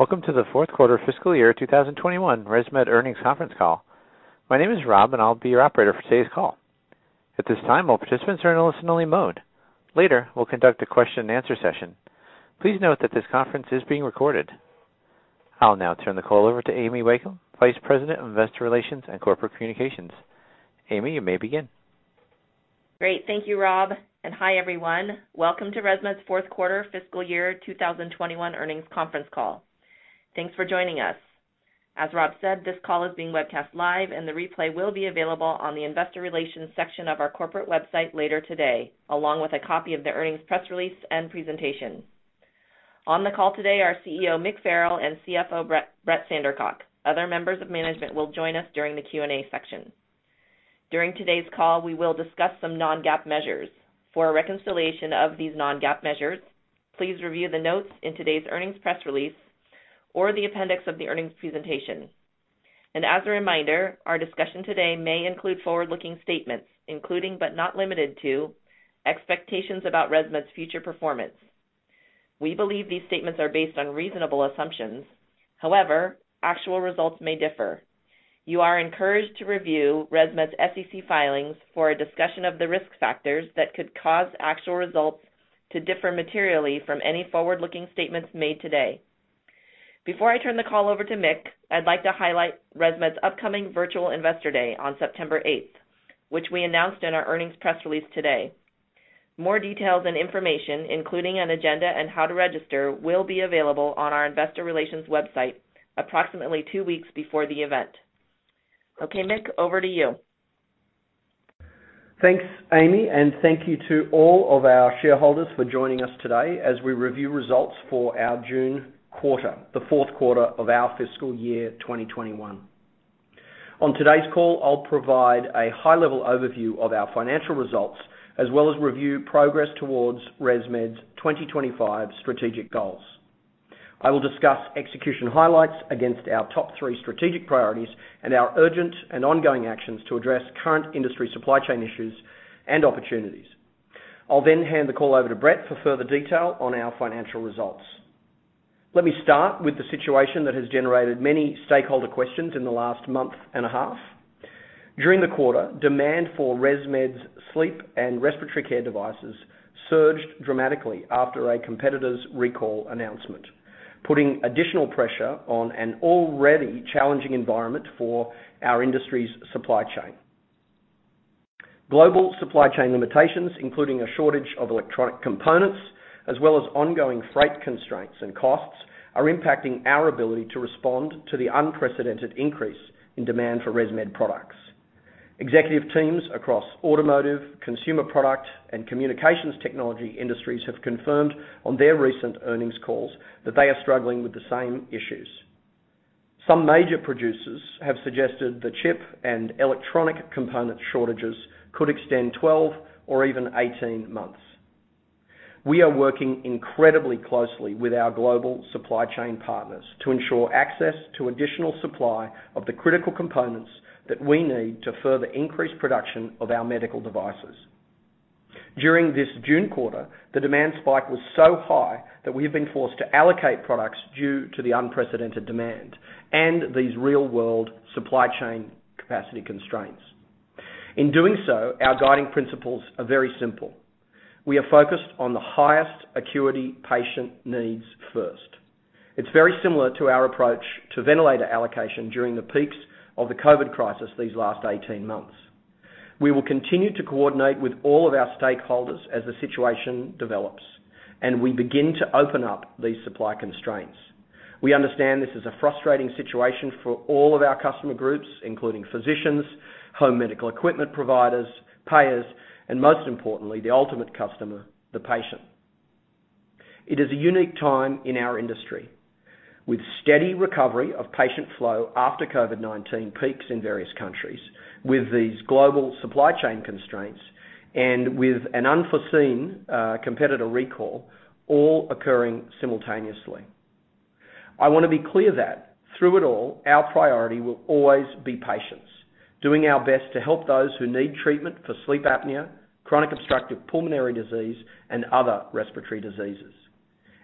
Welcome to the Q4 fiscal year 2021 ResMed earnings conference call. My name is Rob and I'll be your operator for today's call. At this time, all participants are in listen only mode. Later, we'll conduct a question and answer session. Please note that this conference is being recorded. I'll now turn the call over to Amy Wakeham, Vice President of Investor Relations and Corporate Communications. Amy, you may begin. Great. Thank you, Rob, and hi everyone. Welcome to ResMed's Q4 fiscal year 2021 earnings conference call. Thanks for joining us. As Rob said, this call is being webcast live and the replay will be available on the investor relations section of our corporate website later today, along with a copy of the earnings press release and presentation. On the call today are CEO Mick Farrell and CFO Brett Sandercock. Other members of management will join us during the Q&A section. During today's call, we will discuss some non-GAAP measures. For a reconciliation of these non-GAAP measures, please review the notes in today's earnings press release or the appendix of the earnings presentation. As a reminder, our discussion today may include forward-looking statements, including, but not limited to, expectations about ResMed's future performance. We believe these statements are based on reasonable assumptions. However, actual results may differ. You are encouraged to review ResMed's SEC filings for a discussion of the risk factors that could cause actual results to differ materially from any forward-looking statements made today. Before I turn the call over to Mick, I'd like to highlight ResMed's upcoming virtual investor day on September 8th, which we announced in our earnings press release today. More details and information, including an agenda and how to register, will be available on our investor relations website approximately two weeks before the event. Okay, Mick, over to you. Thanks, Amy, and thank you to all of our shareholders for joining us today as we review results for our June quarter, the Q4 of our fiscal year 2021. On today's call, I'll provide a high level overview of our financial results, as well as review progress towards ResMed's 2025 strategic goals. I will discuss execution highlights against our top three strategic priorities and our urgent and ongoing actions to address current industry supply chain issues and opportunities. I'll then hand the call over to Brett for further detail on our financial results. Let me start with the situation that has generated many stakeholder questions in the last month and a half. During the quarter, demand for ResMed's Sleep and Respiratory Care devices surged dramatically after a competitor's recall announcement, putting additional pressure on an already challenging environment for our industry's supply chain. Global supply chain limitations, including a shortage of electronic components, as well as ongoing freight constraints and costs, are impacting our ability to respond to the unprecedented increase in demand for ResMed products. Executive teams across automotive, consumer product, and communications technology industries have confirmed on their recent earnings calls that they are struggling with the same issues. Some major producers have suggested the chip and electronic component shortages could extend 12 or even 18 months. We are working incredibly closely with our global supply chain partners to ensure access to additional supply of the critical components that we need to further increase production of our medical devices. During this June quarter, the demand spike was so high that we have been forced to allocate products due to the unprecedented demand and these real world supply chain capacity constraints. In doing so, our guiding principles are very simple. We are focused on the highest acuity patient needs first. It's very similar to our approach to ventilator allocation during the peaks of the COVID crisis these last 18 months. We will continue to coordinate with all of our stakeholders as the situation develops, and we begin to open up these supply constraints. We understand this is a frustrating situation for all of our customer groups, including physicians, home medical equipment providers, payers, and most importantly, the ultimate customer, the patient. It is a unique time in our industry, with steady recovery of patient flow after COVID-19 peaks in various countries, with these global supply chain constraints, and with an unforeseen competitor recall all occurring simultaneously. I want to be clear that through it all, our priority will always be patients, doing our best to help those who need treatment for sleep apnea, chronic obstructive pulmonary disease, and other respiratory diseases.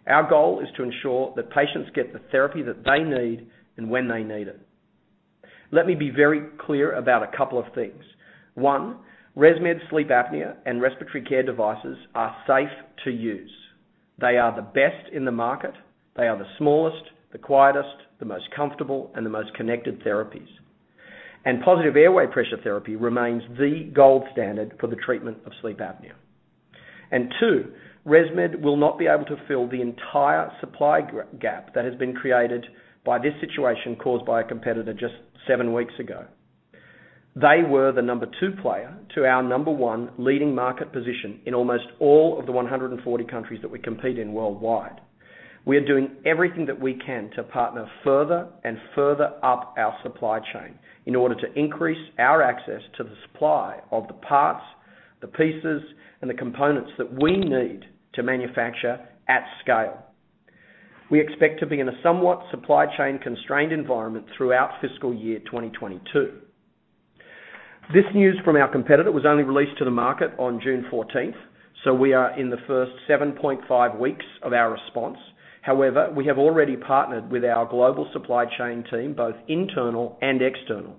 Our goal is to ensure that patients get the therapy that they need and when they need it. Let me be very clear about a couple of things. One, ResMed sleep apnea and respiratory care devices are safe to use. They are the best in the market. They are the smallest, the quietest, the most comfortable and the most connected therapies. Positive airway pressure therapy remains the gold standard for the treatment of sleep apnea. Two, ResMed will not be able to fill the entire supply gap that has been created by this situation caused by a competitor just 7 weeks ago. They were the number one player to our number two leading market position in almost all of the 140 countries that we compete in worldwide. We are doing everything that we can to partner further and further up our supply chain in order to increase our access to the supply of the parts, the pieces, and the components that we need to manufacture at scale. We expect to be in a somewhat supply chain constrained environment throughout fiscal year 2022. This news from our competitor was only released to the market on June 14th. We are in the first seven and half weeks of our response. However, we have already partnered with our global supply chain team, both internal and external.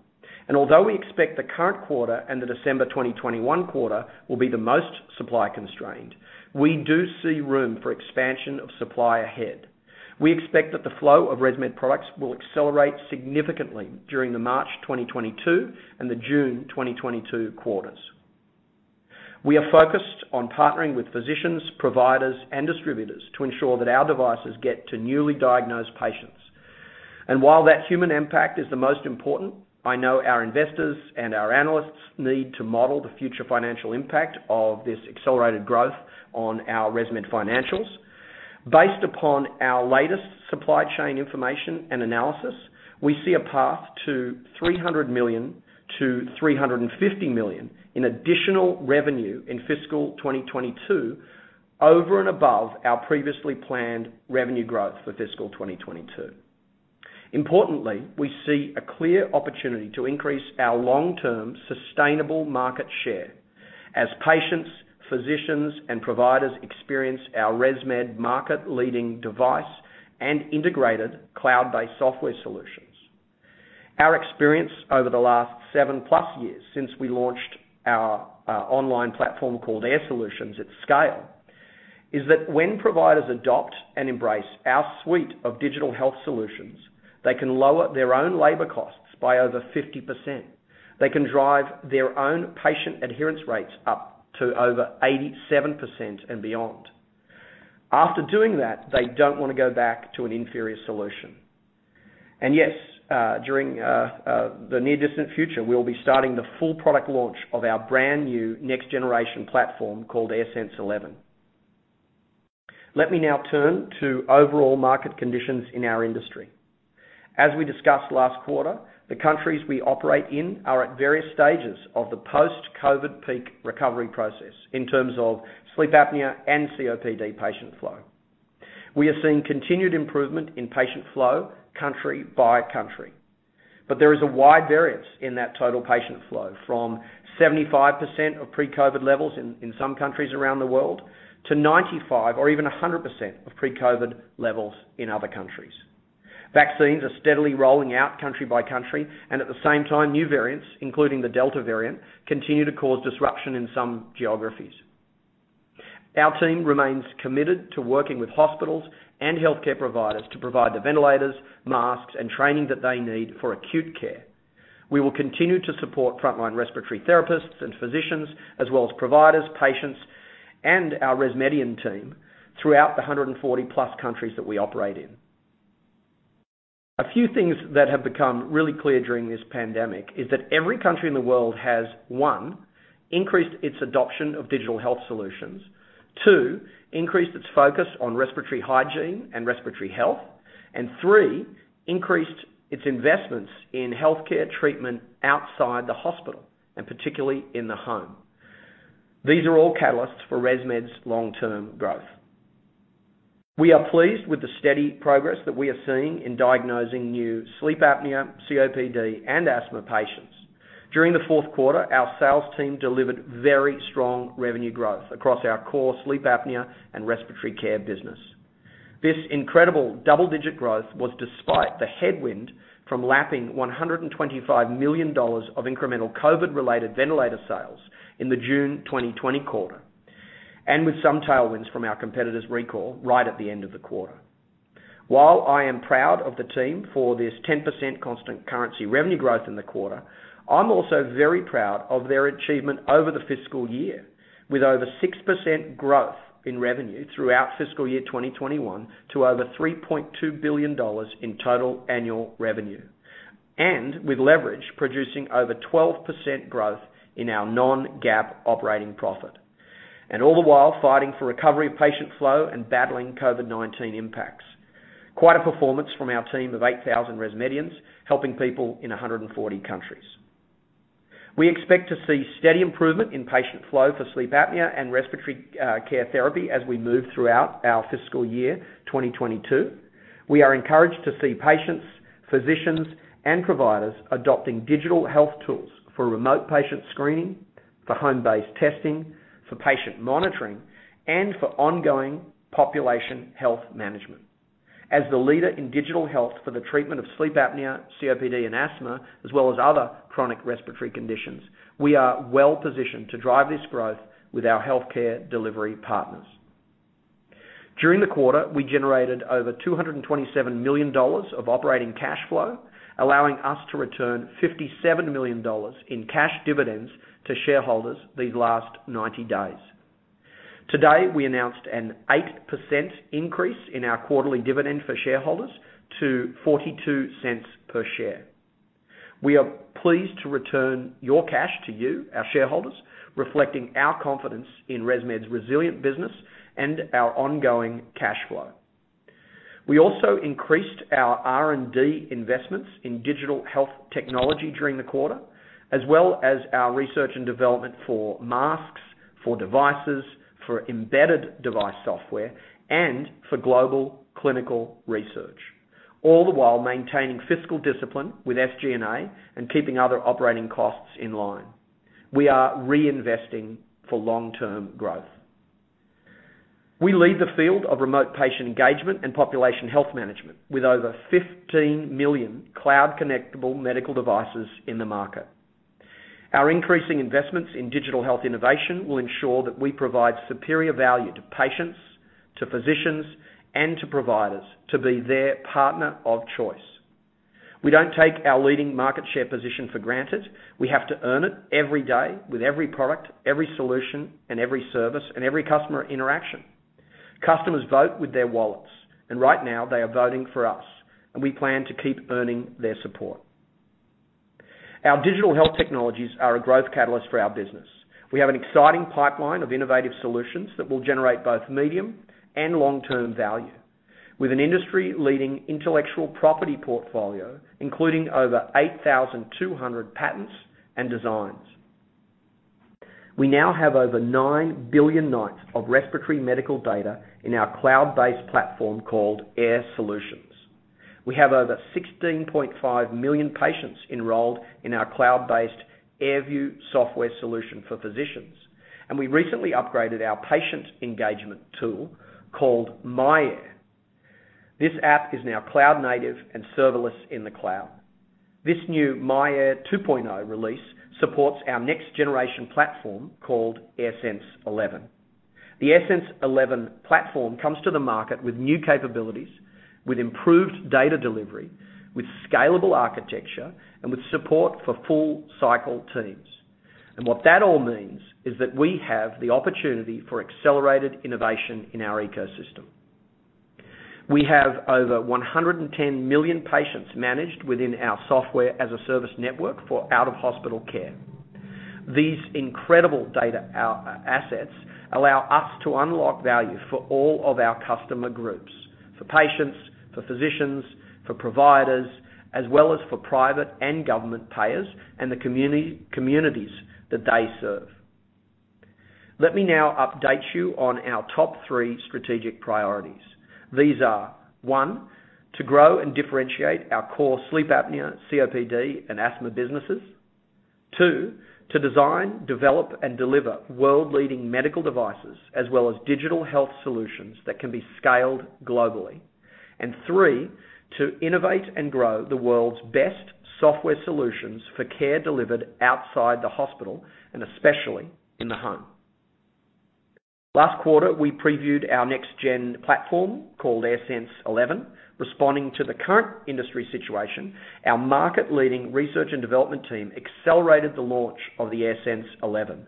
Although we expect the current quarter and the December 2021 quarter will be the most supply constrained, we do see room for expansion of supply ahead. We expect that the flow of ResMed products will accelerate significantly during the March 2022 and the June 2022 quarters. We are focused on partnering with physicians, providers, and distributors to ensure that our devices get to newly diagnosed patients. While that human impact is the most important, I know our investors and our analysts need to model the future financial impact of this accelerated growth on our ResMed financials. Based upon our latest supply chain information and analysis, we see a path to $300 million-$350 million in additional revenue in fiscal 2022 over and above our previously planned revenue growth for fiscal 2022. Importantly, we see a clear opportunity to increase our long-term sustainable market share as patients, physicians, and providers experience our ResMed market leading device and integrated cloud-based software solutions. Our experience over the last 7+ years since we launched our online platform called Air Solutions at scale, is that when providers adopt and embrace our suite of digital health solutions, they can lower their own labor costs by over 50%. They can drive their own patient adherence rates up to over 87% and beyond. After doing that, they don't want to go back to an inferior solution. Yes, during the near distant future, we'll be starting the full product launch of our brand new next generation platform called AirSense 11. Let me now turn to overall market conditions in our industry. As we discussed last quarter, the countries we operate in are at various stages of the post-COVID peak recovery process in terms of sleep apnea and COPD patient flow. We are seeing continued improvement in patient flow country by country. There is a wide variance in that total patient flow from 75% of pre-COVID levels in some countries around the world to 95% or even 100% of pre-COVID levels in other countries. Vaccines are steadily rolling out country by country, and at the same time, new variants, including the Delta variant, continue to cause disruption in some geographies. Our team remains committed to working with hospitals and healthcare providers to provide the ventilators, masks, and training that they need for acute care. We will continue to support frontline respiratory therapists and physicians, as well as providers, patients, and our ResMedians team throughout the 140+ countries that we operate in. A few things that have become really clear during this pandemic is that every country in the world has, one, increased its adoption of digital health solutions. two, increased its focus on respiratory hygiene and respiratory health. Three, increased its investments in healthcare treatment outside the hospital, and particularly in the home. These are all catalysts for ResMed's long-term growth. We are pleased with the steady progress that we are seeing in diagnosing new sleep apnea, COPD, and asthma patients. During the Q4, our sales team delivered very strong revenue growth across our core sleep apnea and respiratory care business. This incredible double-digit growth was despite the headwind from lapping $125 million of incremental COVID-related ventilator sales in the June 2020 quarter, and with some tailwinds from our competitor's recall right at the end of the quarter. While I am proud of the team for this 10% constant currency revenue growth in the quarter, I'm also very proud of their achievement over the fiscal year. With over 6% growth in revenue throughout fiscal year 2021 to over $3.2 billion in total annual revenue. With leverage producing over 12% growth in our non-GAAP operating profit. All the while fighting for recovery of patient flow and battling COVID-19 impacts. Quite a performance from our team of 8,000 ResMedians, helping people in 140 countries. We expect to see steady improvement in patient flow for sleep apnea and respiratory care therapy as we move throughout our fiscal year 2022. We are encouraged to see patients, physicians, and providers adopting digital health tools for remote patient screening, for home-based testing, for patient monitoring, and for ongoing population health management. As the leader in digital health for the treatment of sleep apnea, COPD, and asthma, as well as other chronic respiratory conditions, we are well positioned to drive this growth with our healthcare delivery partners. During the quarter, we generated over $227 million of operating cash flow, allowing us to return $57 million in cash dividends to shareholders these last 90 days. Today, we announced an 8% increase in our quarterly dividend for shareholders to $0.42 per share. We are pleased to return your cash to you, our shareholders, reflecting our confidence in ResMed's resilient business and our ongoing cash flow. We also increased our R&D investments in digital health technology during the quarter, as well as our research and development for masks, for devices, for embedded device software, and for global clinical research. All the while maintaining fiscal discipline with SG&A and keeping other operating costs in line. We are reinvesting for long-term growth. We lead the field of remote patient engagement and population health management, with over 15 million cloud-connectable medical devices in the market. Our increasing investments in digital health innovation will ensure that we provide superior value to patients, to physicians, and to providers to be their partner of choice. We don't take our leading market share position for granted. We have to earn it every day with every product, every solution, and every service, and every customer interaction. Customers vote with their wallets, and right now they are voting for us, and we plan to keep earning their support. Our digital health technologies are a growth catalyst for our business. We have an exciting pipeline of innovative solutions that will generate both medium and long-term value. With an industry-leading intellectual property portfolio, including over 8,200 patents and designs. We now have over 9 billion nights of respiratory medical data in our cloud-based platform called Air Solutions. We have over 16.5 million patients enrolled in our cloud-based AirView software solution for physicians. We recently upgraded our patient engagement tool called myAir. This app is now cloud-native and serverless in the cloud. This new myAir 2.0 release supports our next-generation platform called AirSense 11. The AirSense 11 platform comes to the market with new capabilities, with improved data delivery, with scalable architecture, and with support for full cycle teams. What that all means is that we have the opportunity for accelerated innovation in our ecosystem. We have over 110 million patients managed within our Software as a Service network for out-of-hospital care. These incredible data assets allow us to unlock value for all of our customer groups. For patients, for physicians, for providers, as well as for private and government payers and the communities that they serve. Let me now update you on our top three strategic priorities. These are, one, to grow and differentiate our core sleep apnea, COPD, and asthma businesses. Two, to design, develop, and deliver world-leading medical devices as well as digital health solutions that can be scaled globally. three, to innovate and grow the world's best software solutions for care delivered outside the hospital and especially in the home. Last quarter, we previewed our next-gen platform called AirSense 11. Responding to the current industry situation, our market-leading research and development team accelerated the launch of the AirSense 11.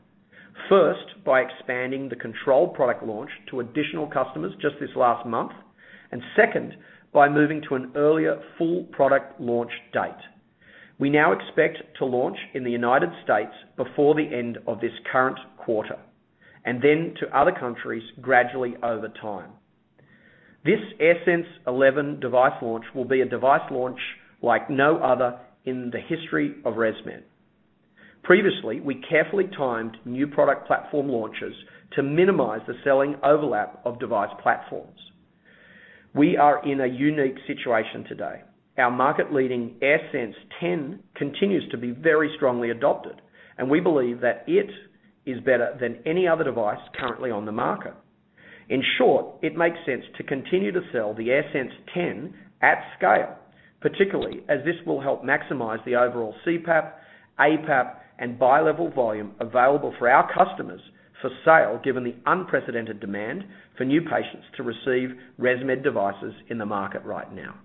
1st, by expanding the controlled product launch to additional customers just this last month. 2nd, by moving to an earlier full product launch date. We now expect to launch in the United States before the end of this current quarter, then to other countries gradually over time. This AirSense 11 device launch will be a device launch like no other in the history of ResMed. Previously, we carefully timed new product platform launches to minimize the selling overlap of device platforms. We are in a unique situation today. Our market-leading AirSense 10 continues to be very strongly adopted, and we believe that it is better than any other device currently on the market. In short, it makes sense to continue to sell the AirSense 10 at scale, particularly as this will help maximize the overall CPAP, APAP, and bilevel volume available for our customers for sale given the unprecedented demand for new patients to receive ResMed devices in the market right now.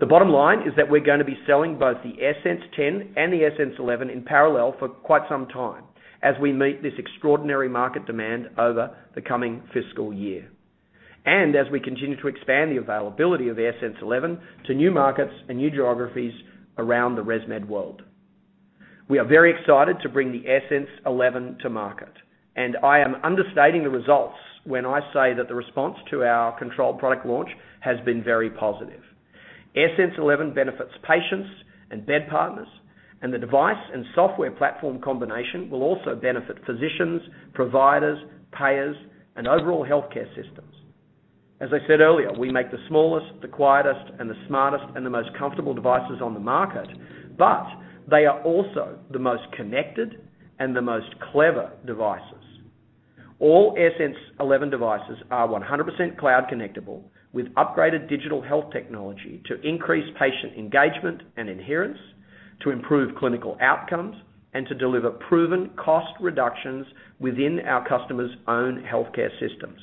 The bottom line is that we're going to be selling both the AirSense 10 and the AirSense 11 in parallel for quite some time as we meet this extraordinary market demand over the coming fiscal year. As we continue to expand the availability of the AirSense 11 to new markets and new geographies around the ResMed world. We are very excited to bring the AirSense 11 to market, and I am understating the results when I say that the response to our controlled product launch has been very positive. AirSense 11 benefits patients and bed partners, and the device and software platform combination will also benefit physicians, providers, payers, and overall healthcare systems. As I said earlier, we make the smallest, the quietest, and the smartest, and the most comfortable devices on the market. They are also the most connected and the most clever devices. All AirSense 11 devices are 100% cloud-connectable with upgraded digital health technology to increase patient engagement and adherence, to improve clinical outcomes, and to deliver proven cost reductions within our customers' own healthcare systems.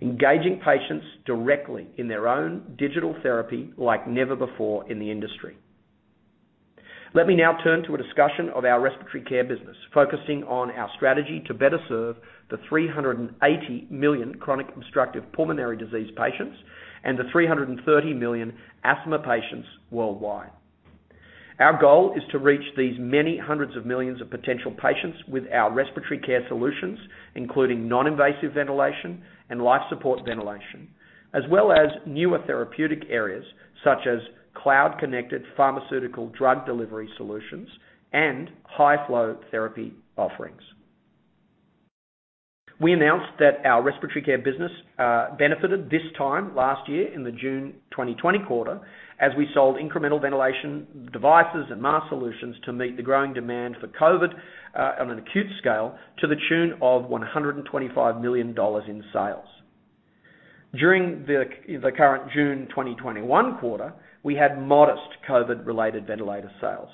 Engaging patients directly in their own digital therapy like never before in the industry. Let me now turn to a discussion of our respiratory care business, focusing on our strategy to better serve the 380 million chronic obstructive pulmonary disease patients and the 330 million asthma patients worldwide. Our goal is to reach these many hundreds of millions of potential patients with our respiratory care solutions, including non-invasive ventilation and life support ventilation. As well as newer therapeutic areas such as cloud-connected pharmaceutical drug delivery solutions and high-flow therapy offerings. We announced that our respiratory care business benefited this time last year in the June 2020 quarter, as we sold incremental ventilation devices and mask solutions to meet the growing demand for COVID on an acute scale to the tune of $125 million in sales. During the current June 2021 quarter, we had modest COVID-related ventilator sales.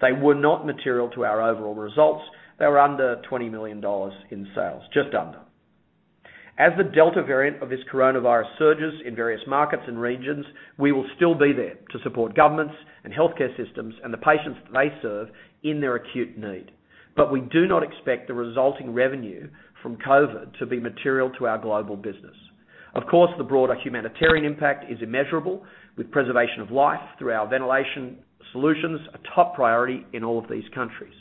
They were not material to our overall results. They were under $20 million in sales, just under. As the Delta variant of this coronavirus surges in various markets and regions, we will still be there to support governments and healthcare systems and the patients that they serve in their acute need. We do not expect the resulting revenue from COVID to be material to our global business. Of course, the broader humanitarian impact is immeasurable, with preservation of life through our ventilation solutions a top priority in all of these countries.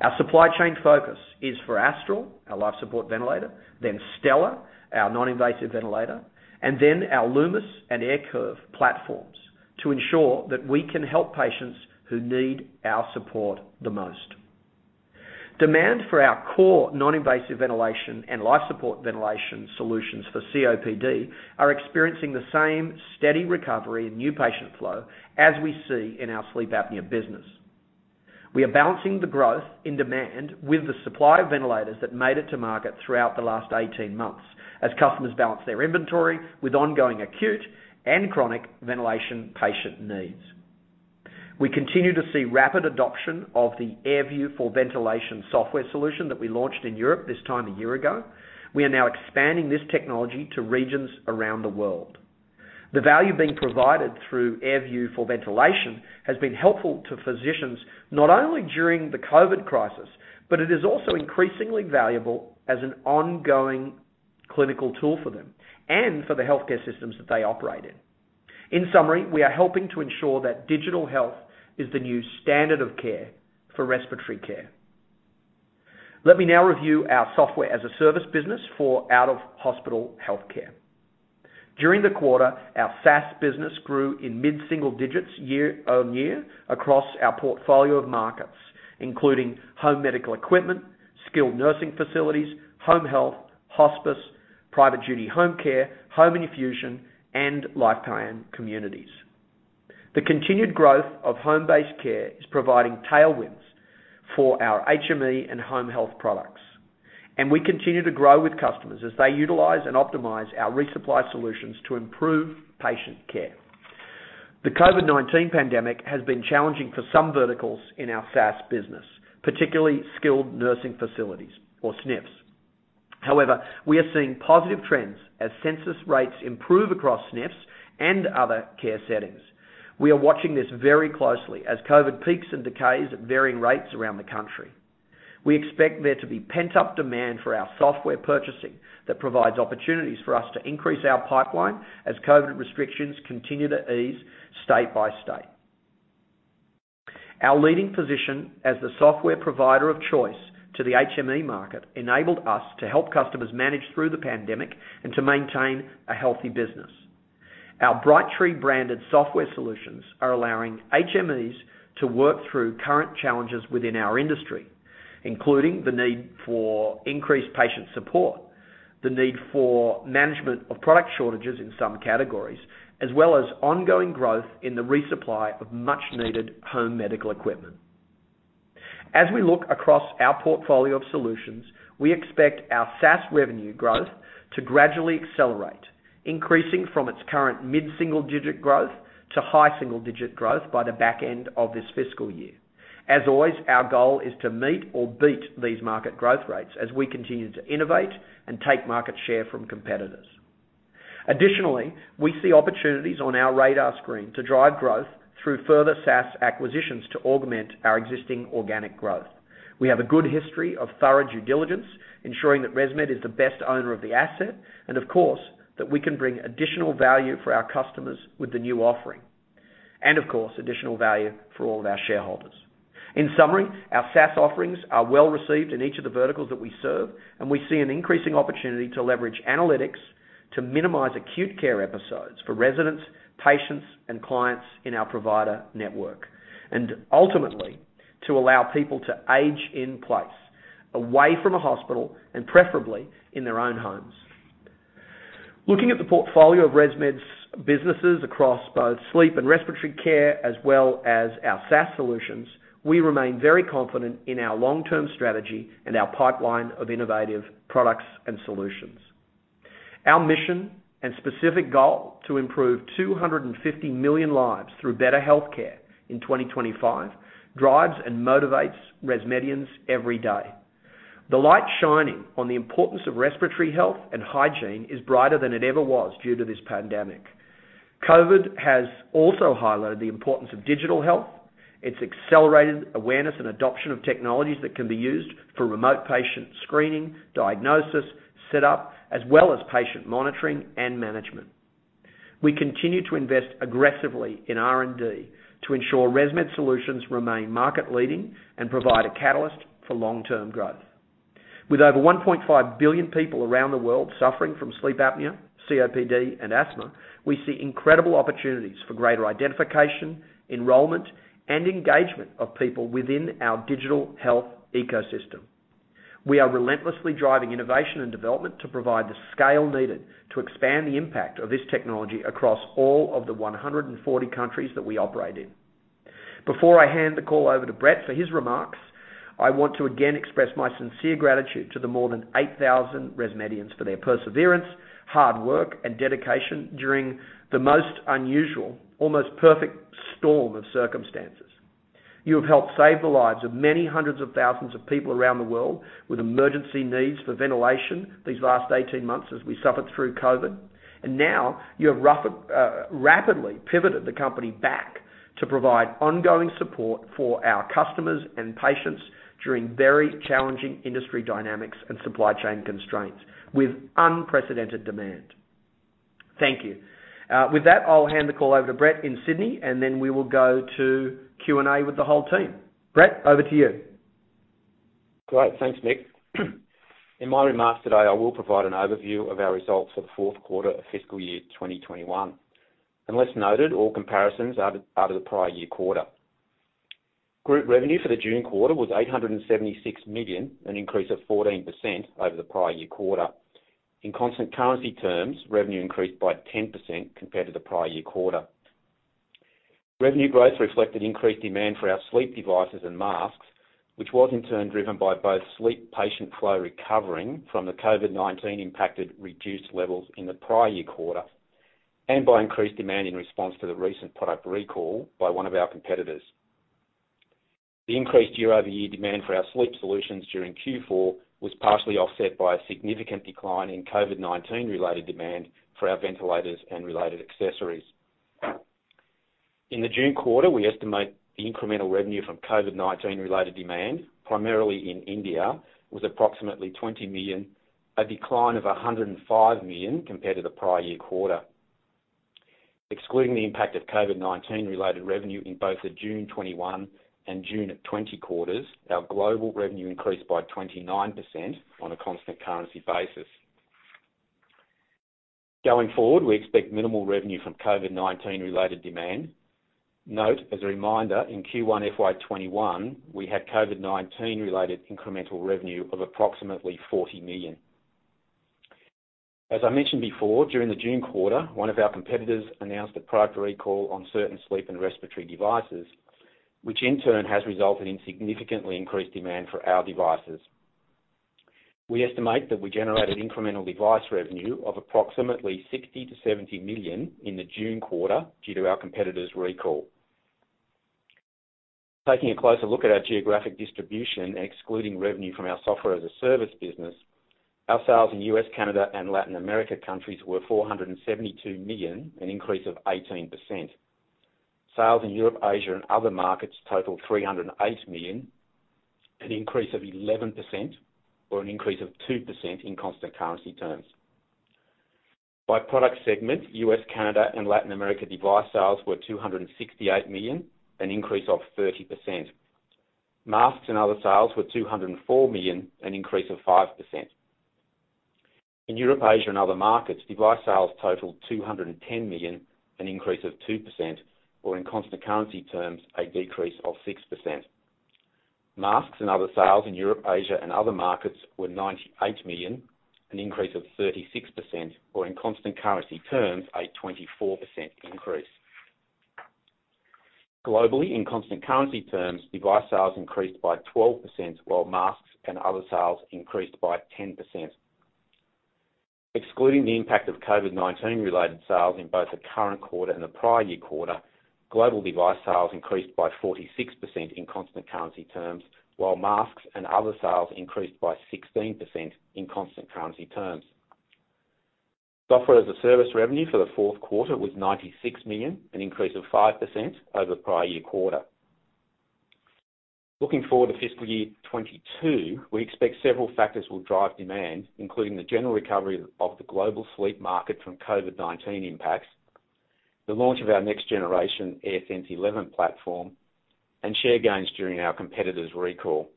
Our supply chain focus is for Astral, our life support ventilator, then Stellar, our non-invasive ventilator, and then our Lumis and AirCurve platforms to ensure that we can help patients who need our support the most. Demand for our core non-invasive ventilation and life support ventilation solutions for COPD are experiencing the same steady recovery in new patient flow as we see in our sleep apnea business. We are balancing the growth in demand with the supply of ventilators that made it to market throughout the last 18 months, as customers balance their inventory with ongoing acute and chronic ventilation patient needs. We continue to see rapid adoption of the AirView for Ventilation software solution that we launched in Europe this time a year ago. We are now expanding this technology to regions around the world. The value being provided through AirView for Ventilation has been helpful to physicians, not only during the COVID crisis, but it is also increasingly valuable as an ongoing clinical tool for them and for the healthcare systems that they operate in. In summary, we are helping to ensure that digital health is the new standard of care for respiratory care. Let me now review our Software as a Service business for out-of-hospital healthcare. During the quarter, our SaaS business grew in mid-single digits year-on-year across our portfolio of markets, including home medical equipment, skilled nursing facilities, home health, hospice, private duty home care, home infusion, and lifetime communities. The continued growth of home-based care is providing tailwinds for our HME and home health products, and we continue to grow with customers as they utilize and optimize our resupply solutions to improve patient care. The COVID-19 pandemic has been challenging for some verticals in our SaaS business, particularly skilled nursing facilities or SNFs. However, we are seeing positive trends as census rates improve across SNFs and other care settings. We are watching this very closely as COVID peaks and decays at varying rates around the country. We expect there to be pent-up demand for our software purchasing that provides opportunities for us to increase our pipeline as COVID restrictions continue to ease state by state. Our leading position as the software provider of choice to the HME market enabled us to help customers manage through the pandemic and to maintain a healthy business. Our Brightree branded software solutions are allowing HMEs to work through current challenges within our industry, including the need for increased patient support, the need for management of product shortages in some categories, as well as ongoing growth in the resupply of much needed home medical equipment. As we look across our portfolio of solutions, we expect our SaaS revenue growth to gradually accelerate, increasing from its current mid-single-digit growth to high-single-digit growth by the back end of this fiscal year. As always, our goal is to meet or beat these market growth rates as we continue to innovate and take market share from competitors. Additionally, we see opportunities on our radar screen to drive growth through further SaaS acquisitions to augment our existing organic growth. We have a good history of thorough due diligence, ensuring that ResMed is the best owner of the asset, and of course, that we can bring additional value for our customers with the new offering. Of course, additional value for all of our shareholders. In summary, our SaaS offerings are well received in each of the verticals that we serve, and we see an increasing opportunity to leverage analytics to minimize acute care episodes for residents, patients, and clients in our provider network. Ultimately, to allow people to age in place, away from a hospital and preferably in their own homes. Looking at the portfolio of ResMed's businesses across both Sleep and Respiratory Care as well as our SaaS solutions, we remain very confident in our long-term strategy and our pipeline of innovative products and solutions. Our mission and specific goal to improve 250 million lives through better healthcare in 2025 drives and motivates ResMedians every day. The light shining on the importance of respiratory health and hygiene is brighter than it ever was due to this pandemic. COVID has also highlighted the importance of digital health. It's accelerated awareness and adoption of technologies that can be used for remote patient screening, diagnosis, set up, as well as patient monitoring and management. We continue to invest aggressively in R&D to ensure ResMed solutions remain market leading and provide a catalyst for long-term growth. With over 1.5 billion people around the world suffering from sleep apnea, COPD, and asthma, we see incredible opportunities for greater identification, enrollment, and engagement of people within our digital health ecosystem. We are relentlessly driving innovation and development to provide the scale needed to expand the impact of this technology across all of the 140 countries that we operate in. Before I hand the call over to Brett for his remarks, I want to again express my sincere gratitude to the more than 8,000 ResMedians for their perseverance, hard work, and dedication during the most unusual, almost perfect storm of circumstances. You have helped save the lives of many hundreds of thousands of people around the world with emergency needs for ventilation these last 18 months as we suffered through COVID. Now you have rapidly pivoted the company back to provide ongoing support for our customers and patients during very challenging industry dynamics and supply chain constraints with unprecedented demand. Thank you. With that, I'll hand the call over to Brett in Sydney, and then we will go to Q&A with the whole team. Brett, over to you. Great. Thanks, Mick. In my remarks today, I will provide an overview of our results for the Q4 of fiscal year 2021. Unless noted, all comparisons are to the prior year quarter. Group revenue for the June quarter was $876 million, an increase of 14% over the prior year quarter. In constant currency terms, revenue increased by 10% compared to the prior year quarter. Revenue growth reflected increased demand for our sleep devices and masks, which was in turn driven by both sleep patient flow recovering from the COVID-19 impacted reduced levels in the prior year quarter, and by increased demand in response to the recent product recall by one of our competitors. The increased year-over-year demand for our sleep solutions during Q4 was partially offset by a significant decline in COVID-19 related demand for our ventilators and related accessories. In the June quarter, we estimate the incremental revenue from COVID-19 related demand, primarily in India, was approximately $20 million, a decline of $105 million compared to the prior year quarter. Excluding the impact of COVID-19 related revenue in both the June 2021 and June 2020 quarters, our global revenue increased by 29% on a constant currency basis. Going forward, we expect minimal revenue from COVID-19 related demand. Note, as a reminder, in Q1 FY 2021, we had COVID-19 related incremental revenue of approximately $40 million. As I mentioned before, during the June quarter, one of our competitors announced a product recall on certain sleep and respiratory devices, which in turn has resulted in significantly increased demand for our devices. We estimate that we generated incremental device revenue of approximately $60 million-$70 million in the June quarter due to our competitor's recall. Taking a closer look at our geographic distribution, excluding revenue from our software as a service business, our sales in U.S., Canada, and Latin America countries were $472 million, an increase of 18%. Sales in Europe, Asia, and other markets totaled $308 million, an increase of 11%, or an increase of 2% in constant currency terms. By product segment, U.S., Canada, and Latin America device sales were $268 million, an increase of 30%. Masks and other sales were $204 million, an increase of 5%. In Europe, Asia, and other markets, device sales totaled $210 million, an increase of 2%, or in constant currency terms, a decrease of 6%. Masks and other sales in Europe, Asia, and other markets were $98 million, an increase of 36%, or in constant currency terms, a 24% increase. Globally, in constant currency terms, device sales increased by 12%, while masks and other sales increased by 10%. Excluding the impact of COVID-19 related sales in both the current quarter and the prior year quarter, global device sales increased by 46% in constant currency terms, while masks and other sales increased by 16% in constant currency terms. Software as a service revenue for the Q4 was $96 million, an increase of 5% over the prior year quarter. Looking forward to fiscal year 2022, we expect several factors will drive demand, including the general recovery of the global sleep market from COVID-19 impacts, the launch of our next generation AirSense 11 platform, and share gains during our competitor's recall.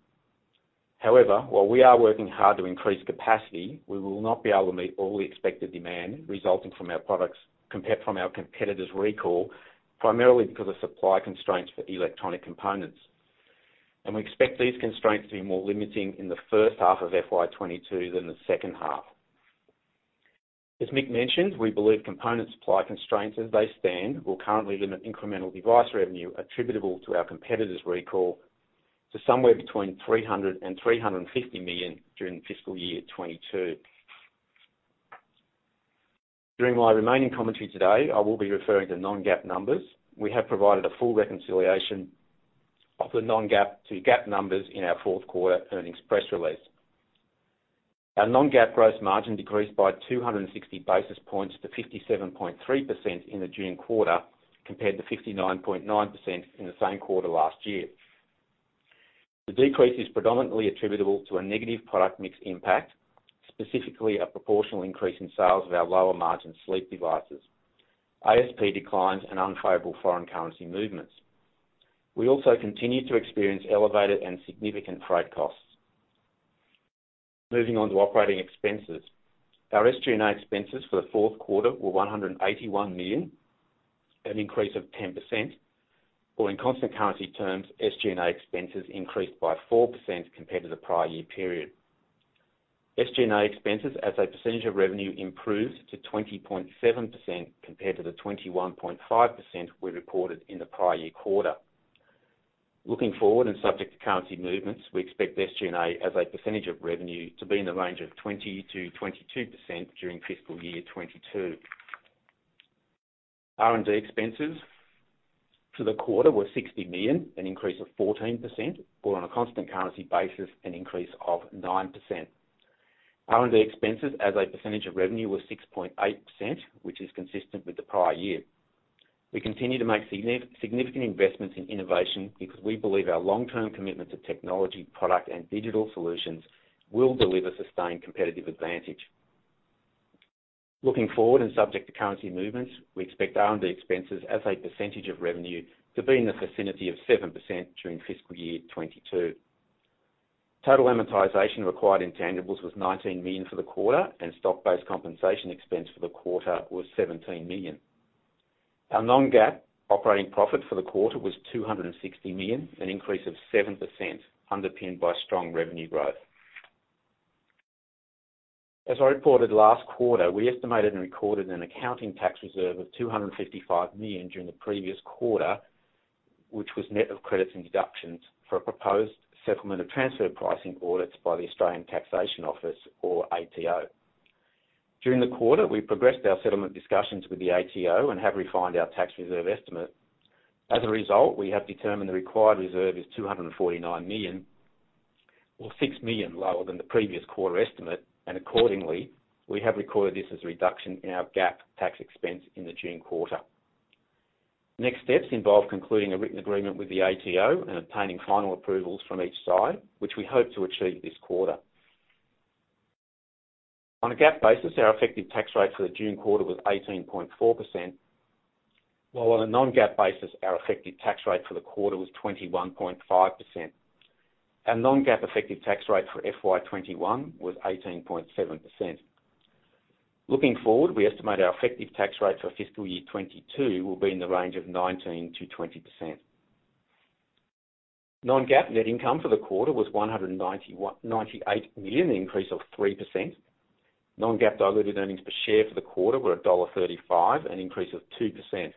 However, while we are working hard to increase capacity, we will not be able to meet all the expected demand resulting from our competitor's recall, primarily because of supply constraints for electronic components. We expect these constraints to be more limiting in the first half of FY 2022 than the second half. As Mick mentioned, we believe component supply constraints as they stand will currently limit incremental device revenue attributable to our competitor's recall to somewhere between $300 million-$350 million during fiscal year 2022. During my remaining commentary today, I will be referring to non-GAAP numbers. We have provided a full reconciliation of the non-GAAP to GAAP numbers in our Q4 earnings press release. Our non-GAAP gross margin decreased by 260 basis points to 57.3% in the June quarter, compared to 59.9% in the same quarter last year. The decrease is predominantly attributable to a negative product mix impact, specifically a proportional increase in sales of our lower margin sleep devices, ASP declines, and unfavorable foreign currency movements. We also continue to experience elevated and significant freight costs. Moving on to operating expenses. Our SG&A expenses for the Q4 were $181 million. An increase of 10%, or in constant currency terms, SG&A expenses increased by 4% compared to the prior year period. SG&A expenses as a percentage of revenue improved to 20.7% compared to the 21.5% we reported in the prior year quarter. Looking forward and subject to currency movements, we expect SG&A as a percentage of revenue to be in the range of 20%-22% during fiscal year 2022. R&D expenses for the quarter were $60 million, an increase of 14%, or on a constant currency basis, an increase of 9%. R&D expenses as a percentage of revenue were 6.8%, which is consistent with the prior year. We continue to make significant investments in innovation because we believe our long-term commitment to technology, product, and digital solutions will deliver sustained competitive advantage. Looking forward and subject to currency movements, we expect R&D expenses as a percentage of revenue to be in the vicinity of 7% during fiscal year 2022. Total amortization of acquired intangibles was $19 million for the quarter, and stock-based compensation expense for the quarter was $17 million. Our non-GAAP operating profit for the quarter was $260 million, an increase of 7%, underpinned by strong revenue growth. As I reported last quarter, we estimated and recorded an accounting tax reserve of $255 million during the previous quarter, which was net of credits and deductions for a proposed settlement of transfer pricing audits by the Australian Taxation Office, or ATO. During the quarter, we progressed our settlement discussions with the ATO and have refined our tax reserve estimate. As a result, we have determined the required reserve is $249 million, or $6 million lower than the previous quarter estimate, and accordingly, we have recorded this as a reduction in our GAAP tax expense in the June quarter. Next steps involve concluding a written agreement with the ATO and obtaining final approvals from each side, which we hope to achieve this quarter. On a GAAP basis, our effective tax rate for the June quarter was 18.4%, while on a non-GAAP basis, our effective tax rate for the quarter was 21.5%. Our non-GAAP effective tax rate for FY 2021 was 18.7%. Looking forward, we estimate our effective tax rate for fiscal year 2022 will be in the range of 19%-20%. Non-GAAP net income for the quarter was $198 million, an increase of 3%. Non-GAAP diluted earnings per share for the quarter were $1.35, an increase of 2%.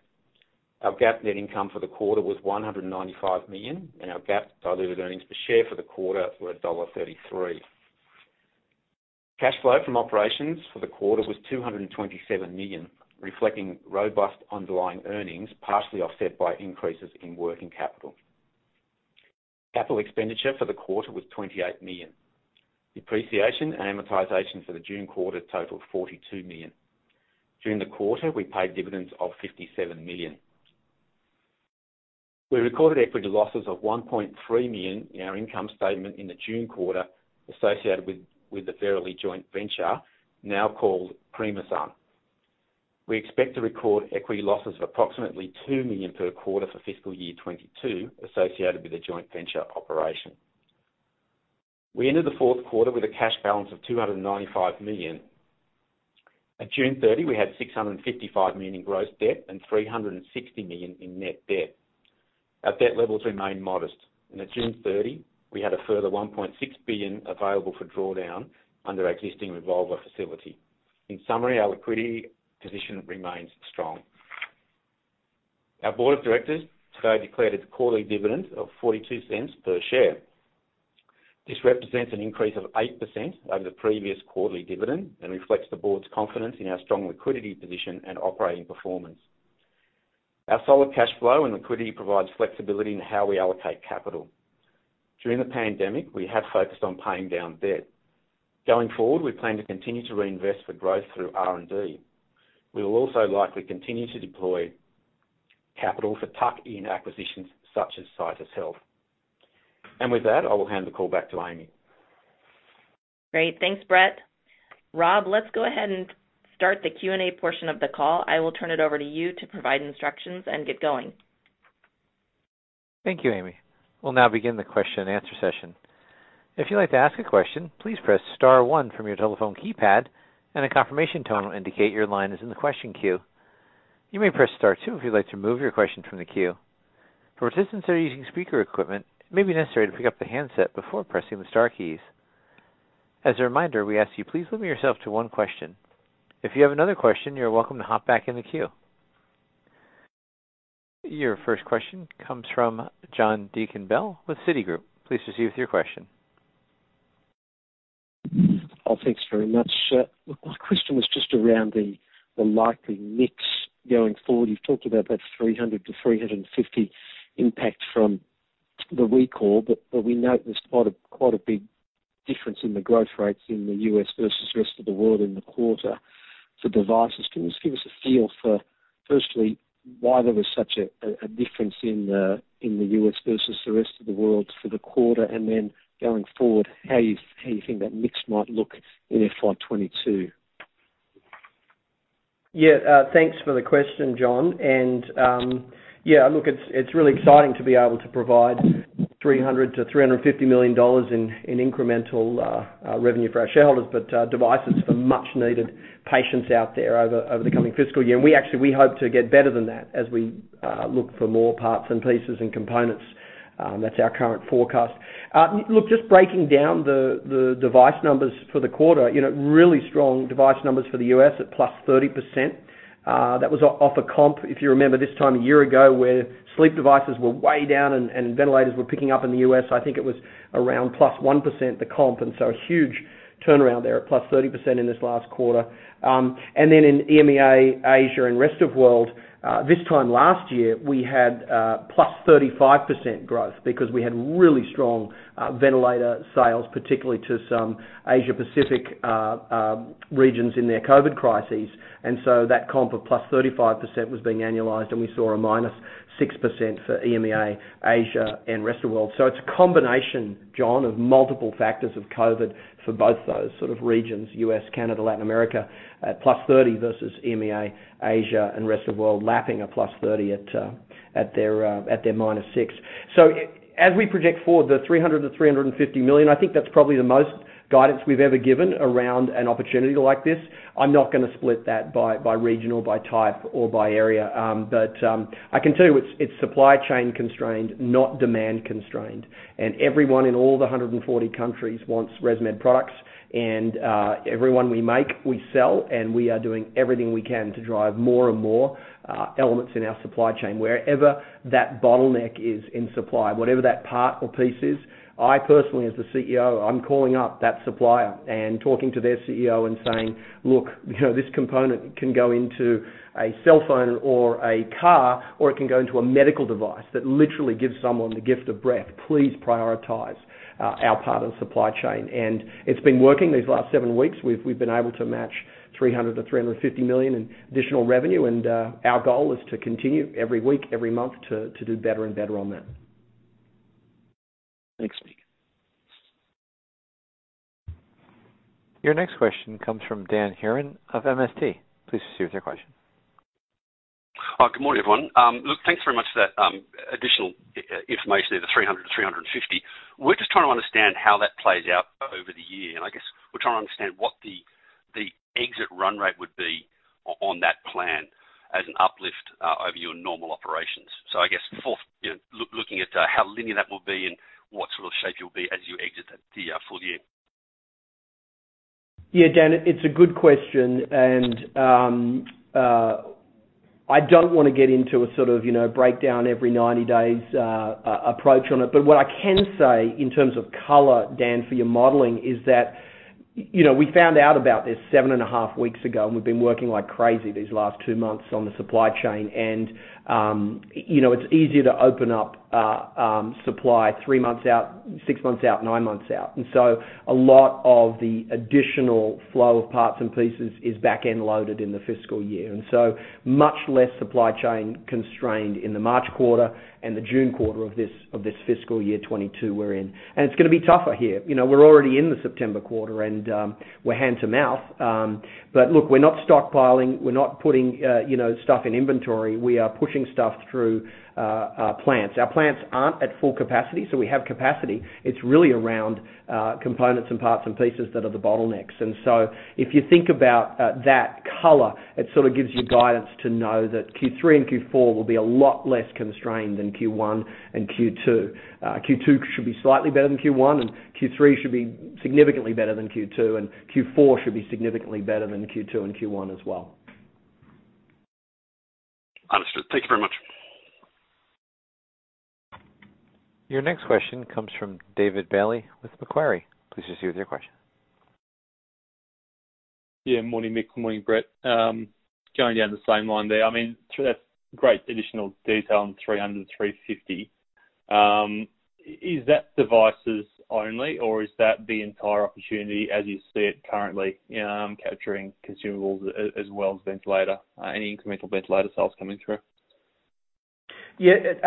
Our GAAP net income for the quarter was $195 million, and our GAAP diluted earnings per share for the quarter were $1.33. Cash flow from operations for the quarter was $227 million, reflecting robust underlying earnings, partially offset by increases in working capital. Capital expenditure for the quarter was $28 million. Depreciation and amortization for the June quarter totaled $42 million. During the quarter, we paid dividends of $57 million. We recorded equity losses of $1.3 million in our income statement in the June quarter associated with the Verily joint venture, now called Primasun. We expect to record equity losses of approximately $2 million per quarter for fiscal year 2022 associated with the joint venture operation. We entered the Q4 with a cash balance of $295 million. At June 30, we had $655 million in gross debt and $360 million in net debt. Our debt levels remain modest. At June 30, we had a further $1.6 billion available for drawdown under our existing revolver facility. In summary, our liquidity position remains strong. Our board of directors today declared its quarterly dividend of $0.42 per share. This represents an increase of 8% over the previous quarterly dividend and reflects the board's confidence in our strong liquidity position and operating performance. Our solid cash flow and liquidity provides flexibility in how we allocate capital. During the pandemic, we have focused on paying down debt. Going forward, we plan to continue to reinvest for growth through R&D. We will also likely continue to deploy capital for tuck-in acquisitions such as Citus Health. With that, I will hand the call back to Amy. Great. Thanks, Brett. Rob, let's go ahead and start the Q&A portion of the call. I will turn it over to you to provide instructions and get going. Thank you, Amy. We'll now begin the question and answer session. If you'd like to ask a question, please press star one from your telephone keypad, and a confirmation tone will indicate your line is in the question queue. You may press star two if you'd like to remove your question from the queue. For participants that are using speaker equipment, it may be necessary to pick up the handset before pressing the star keys. As a reminder, we ask you please limit yourself to one question. If you have another question, you're welcome to hop back in the queue. Your first question comes from John Deakin-Bell with Citigroup. Please proceed with your question. Thanks very much. My question was just around the likely mix going forward. You've talked about that $300 million-$350 million impact from the recall. We note there's quite a big difference in the growth rates in the U.S. versus the rest of the world in the quarter for devices. Can you just give us a feel for, firstly, why there was such a difference in the U.S. versus the rest of the world for the quarter? Then going forward, how you think that mix might look in FY 2022? Yeah. Thanks for the question, John. Yeah, look, it's really exciting to be able to provide $300 million-$350 million in incremental revenue for our shareholders, but devices for much-needed patients out there over the coming fiscal year. We actually hope to get better than that as we look for more parts and pieces and components. That's our current forecast. Just breaking down the device numbers for the quarter. Really strong device numbers for the U.S. at +30%. That was off a comp, if you remember this time a year ago, where sleep devices were way down and ventilators were picking up in the U.S. I think it was around +1%, the comp, a huge turnaround there at +30% in this last quarter. In EMEA, Asia, and rest of world, this time last year, we had +35% growth because we had really strong ventilator sales, particularly to some Asia Pacific regions in their COVID-19 crises. That comp of +35% was being annualized, and we saw a -6% for EMEA, Asia, and rest of world. It's a combination, John, of multiple factors of COVID for both those sort of regions, U.S., Canada, Latin America, at +30% versus EMEA, Asia, and rest of world lapping a +30% at their -6%. As we project forward the $300 million-$350 million, I think that's probably the most guidance we've ever given around an opportunity like this. I'm not going to split that by regional, by type, or by area. I can tell you it's supply chain constrained, not demand constrained, and everyone in all the 140 countries wants ResMed products. Everyone we make, we sell, and we are doing everything we can to drive more and more elements in our supply chain. Wherever that bottleneck is in supply, whatever that part or piece is, I personally, as the CEO, I'm calling up that supplier and talking to their CEO and saying, "Look, this component can go into a cell phone or a car, or it can go into a medical device that literally gives someone the gift of breath. Please prioritize our part of the supply chain." It's been working these last seven weeks. We've been able to match $300 million-$350 million in additional revenue, and our goal is to continue every week, every month to do better and better on that. Thanks, Mick. Your next question comes from Dan Hurren of MST Financial. Please proceed with your question. Good morning, everyone. Look, thanks very much for that additional information there, the 300-350. We're just trying to understand how that plays out over the year, I guess we're trying to understand what the exit run rate would be on that plan as an uplift over your normal operations. I guess looking at how linear that will be and what sort of shape you'll be as you exit the full year. Yeah, Dan, it's a good question. I don't want to get into a sort of breakdown every 90 days approach on it. What I can say in terms of color, Dan, for your modeling, is that we found out about this seven and a half weeks ago, and we've been working like crazy these last two months on the supply chain. It's easier to open up supply three months out, six months out, nine months out. A lot of the additional flow of parts and pieces is back-end loaded in the fiscal year, and so much less supply chain constrained in the March quarter and the June quarter of this fiscal year 2022 we're in. It's going to be tougher here. We're already in the September quarter, and we're hand to mouth. Look, we're not stockpiling. We're not putting stuff in inventory. We are pushing stuff through our plants. Our plants aren't at full capacity, so we have capacity. It's really around components and parts and pieces that are the bottlenecks. If you think about that color, it sort of gives you guidance to know that Q3 and Q4 will be a lot less constrained than Q1 and Q2. Q2 should be slightly better than Q1, and Q3 should be significantly better than Q2, and Q4 should be significantly better than Q2 and Q1 as well. Understood. Thank you very much. Your next question comes from David Bailey with Macquarie. Please proceed with your question. Yeah, morning, Mick. Morning, Brett. Going down the same line there. That's great additional detail on 300, 350. Is that devices only, or is that the entire opportunity as you see it currently, capturing consumables as well as ventilator, any incremental ventilator sales coming through? David,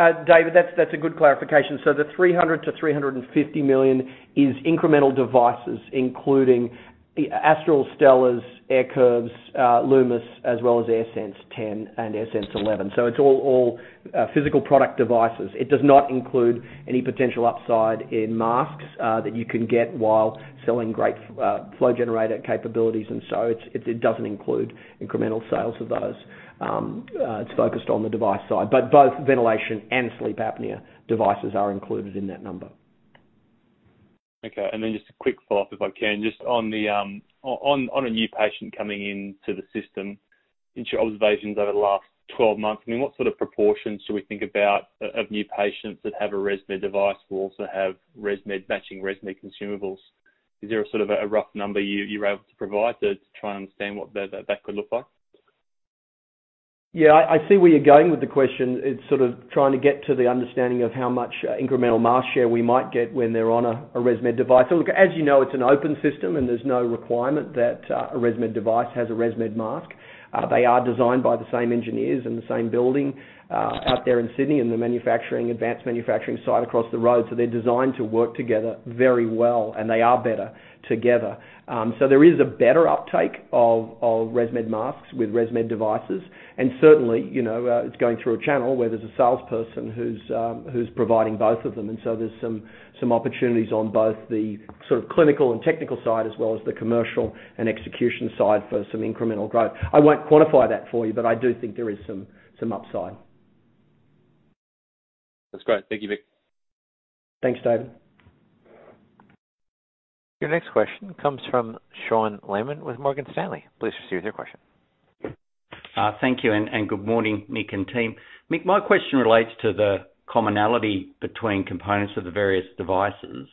that's a good clarification. The $300 million-$350 million is incremental devices, including Astral, Stellars, AirCurves, Lumis, as well as AirSense 10 and AirSense 11. So it's all physical product devices. It does not include any potential upside in masks that you can get while selling great flow generator capabilities. It doesn't include incremental sales of those. It's focused on the device side, but both ventilation and sleep apnea devices are included in that number. Okay. Just a quick follow-up if I can, just on a new patient coming into the system. In your observations over the last 12 months, what sort of proportions should we think about of new patients that have a ResMed device will also have matching ResMed consumables? Is there a sort of a rough number you're able to provide to try and understand what that could look like? Yeah, I see where you're going with the question. It's sort of trying to get to the understanding of how much incremental market share we might get when they're on a ResMed device. Look, as you know, it's an open system, and there's no requirement that a ResMed device has a ResMed mask. They are designed by the same engineers in the same building out there in Sydney, in the advanced manufacturing site across the road. They're designed to work together very well, and they are better together. There is a better uptake of ResMed masks with ResMed devices. Certainly, it's going through a channel where there's a salesperson who's providing both of them, and so there's some opportunities on both the sort of clinical and technical side, as well as the commercial and execution side for some incremental growth. I won't quantify that for you, but I do think there is some upside. That's great. Thank you, Mick. Thanks, David. Your next question comes from Sean Laaman with Morgan Stanley. Please proceed with your question. Thank you, and good morning, Mick and team. Mick, my question relates to the commonality between components of the various devices.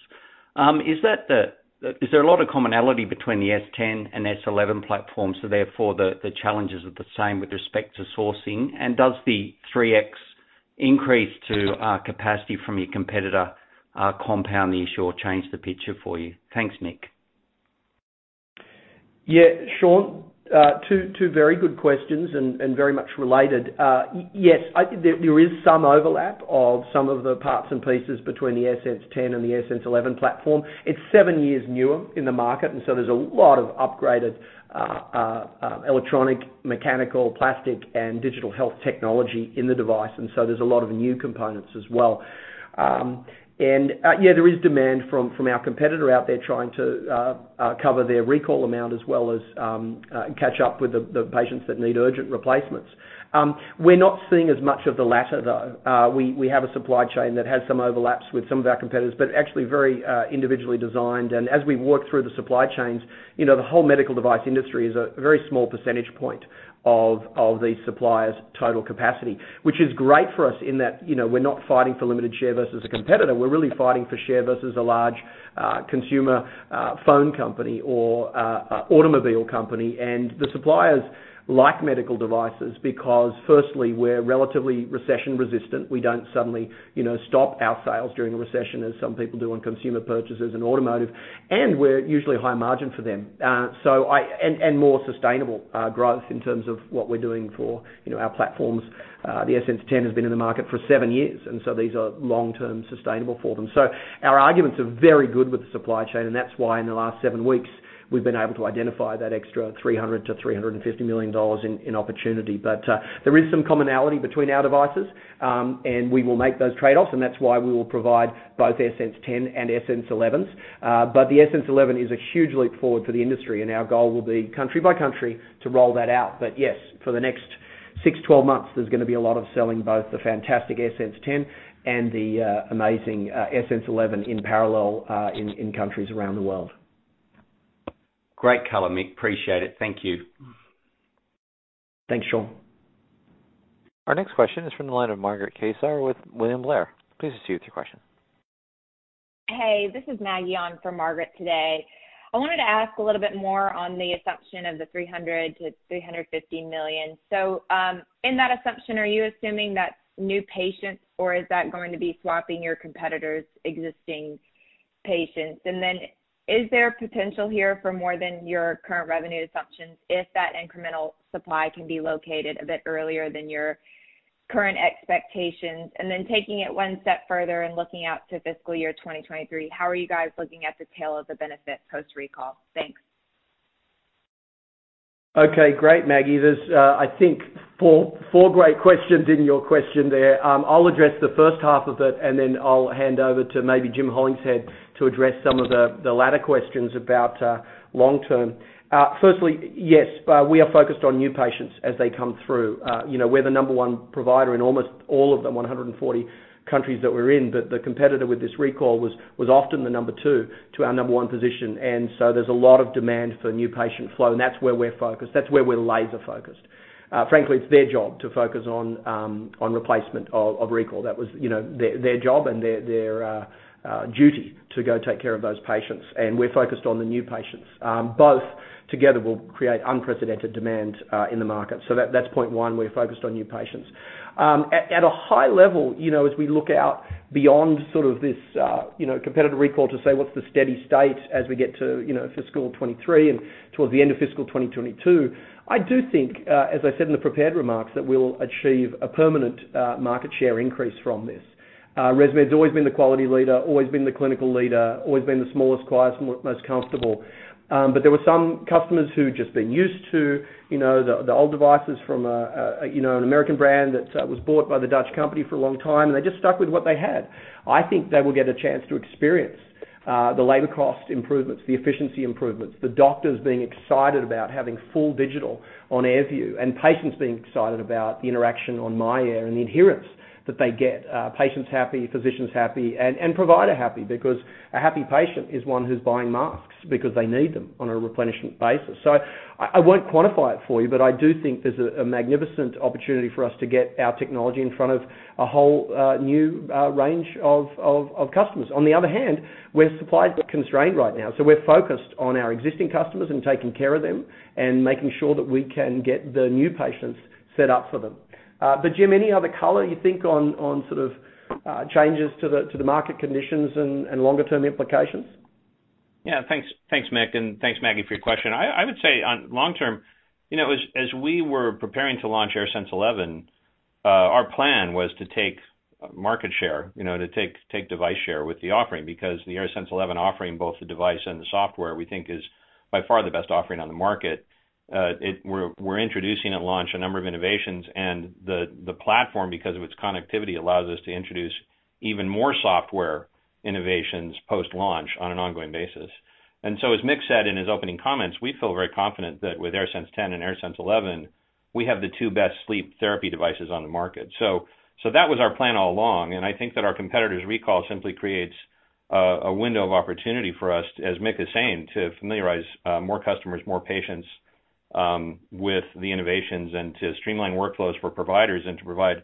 Is there a lot of commonality between the S10 and S11 platforms, so therefore, the challenges are the same with respect to sourcing? Does the 3x increase to capacity from your competitor compound the issue or change the picture for you? Thanks, Mick. Sean, two very good questions and very much related. Yes, I think there is some overlap of some of the parts and pieces between the AirSense 10 and the AirSense 11 platform. It's seven years newer in the market, and so there's a lot of upgraded electronic, mechanical, plastic, and digital health technology in the device, and so there's a lot of new components as well. There is demand from our competitor out there trying to cover their recall amount as well as catch up with the patients that need urgent replacements. We're not seeing as much of the latter, though. We have a supply chain that has some overlaps with some of our competitors, but actually very individually designed. As we work through the supply chains, the whole medical device industry is a very small percentage point of the supplier's total capacity, which is great for us in that we're not fighting for limited share versus a competitor. We're really fighting for share versus a large consumer phone company or automobile company. The suppliers like medical devices because firstly, we're relatively recession-resistant. We don't suddenly stop our sales during a recession as some people do on consumer purchases and automotive, and we're usually a high margin for them, and more sustainable growth in terms of what we're doing for our platforms. The AirSense 10 has been in the market for seven years. These are long-term sustainable for them. Our arguments are very good with the supply chain, and that's why in the last seven weeks, we've been able to identify that extra $300 million-$350 million in opportunity. There is some commonality between our devices, and we will make those trade-offs, and that's why we will provide both AirSense 10 and AirSense 11s. The AirSense 11 is a huge leap forward for the industry, and our goal will be country by country to roll that out. Yes, for the next 6-12 months, there's going to be a lot of selling both the fantastic AirSense 10 and the amazing AirSense 11 in parallel in countries around the world. Great color, Mick. Appreciate it. Thank you. Thanks, Sean. Our next question is from the line of Margaret Kaczor with William Blair. Please proceed with your question. Hey, this is Maggie Boeye on for Margaret today. I wanted to ask a little bit more on the assumption of the $300 million-$350 million. In that assumption, are you assuming that's new patients, or is that going to be swapping your competitor's existing patients? Is there potential here for more than your current revenue assumptions if that incremental supply can be located a bit earlier than your current expectations? Taking it one step further and looking out to fiscal year 2023, how are you guys looking at the tail of the benefit post-recall? Thanks. Okay. Great, Maggie. There's, I think, four great questions in your question there. I'll address the first half of it, and then I'll hand over to maybe Jim Hollingshead to address some of the latter questions about long-term. Firstly, yes, we are focused on new patients as they come through. We're the number one provider in almost all of the 140 countries that we're in, but the competitor with this recall was often the number two to our number one position. So there's a lot of demand for new patient flow, and that's where we're focused. That's where we're laser-focused. Frankly, it's their job to focus on replacement of recall. That was their job and their duty to go take care of those patients, and we're focused on the new patients. Both together will create unprecedented demand in the market. That's point one, we're focused on new patients. At a high level, as we look out beyond sort of this competitor recall to say what's the steady state as we get to fiscal 2023 and towards the end of fiscal 2022, I do think, as I said in the prepared remarks, that we'll achieve a permanent market share increase from this. ResMed's always been the quality leader, always been the clinical leader, always been the smallest, quietest, and most comfortable. There were some customers who had just been used to the old devices from an American brand that was bought by the Dutch company for a long time, and they just stuck with what they had. I think they will get a chance to experience the labor cost improvements, the efficiency improvements, the doctors being excited about having full digital on AirView, and patients being excited about the interaction on myAir and the adherence that they get. Patients happy, physicians happy, and provider happy because a happy patient is one who's buying masks because they need them on a replenishment basis. I won't quantify it for you, but I do think there's a magnificent opportunity for us to get our technology in front of a whole new range of customers. On the other hand, we're supply constrained right now, so we're focused on our existing customers and taking care of them and making sure that we can get the new patients set up for them. Jim, any other color you think on sort of changes to the market conditions and longer-term implications? Yeah. Thanks, Mick, and thanks, Maggie, for your question. I would say on long-term, as we were preparing to launch AirSense 11, our plan was to take market share, to take device share with the offering because the AirSense 11 offering, both the device and the software, we think is by far the best offering on the market. We're introducing at launch a number of innovations and the platform, because of its connectivity, allows us to introduce even more software innovations post-launch on an ongoing basis. As Mick said in his opening comments, we feel very confident that with AirSense 10 and AirSense 11, we have the two best sleep therapy devices on the market. That was our plan all along, and I think that our competitor's recall simply creates a window of opportunity for us, as Mick is saying, to familiarize more customers, more patients, with the innovations and to streamline workflows for providers and to provide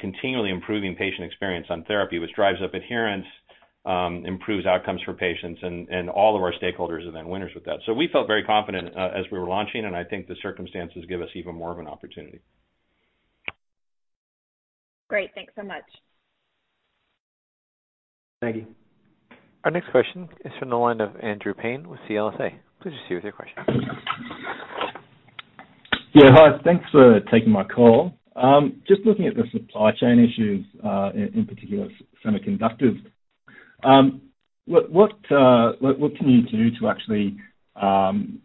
continually improving patient experience on therapy, which drives up adherence, improves outcomes for patients, and all of our stakeholders are then winners with that. We felt very confident as we were launching, and I think the circumstances give us even more of an opportunity. Great. Thanks so much. Thank you. Our next question is from the line of Andrew Paine with CLSA. Please proceed with your question. Yeah. Hi. Thanks for taking my call. Just looking at the supply chain issues, in particular semiconductors. What can you do to actually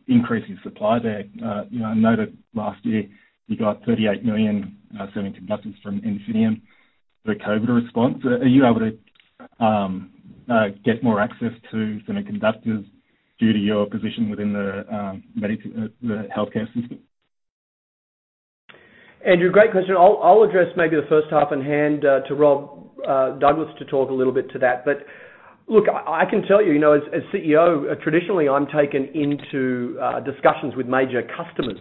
increase your supply there? I know that last year you got 38 million semiconductors from Infineon for the COVID response. Are you able to get more access to semiconductors due to your position within the healthcare system? Andrew, great question. I'll address maybe the first half and hand to Rob Douglas to talk a little bit to that. Look, I can tell you, as CEO, traditionally, I'm taken into discussions with major customers.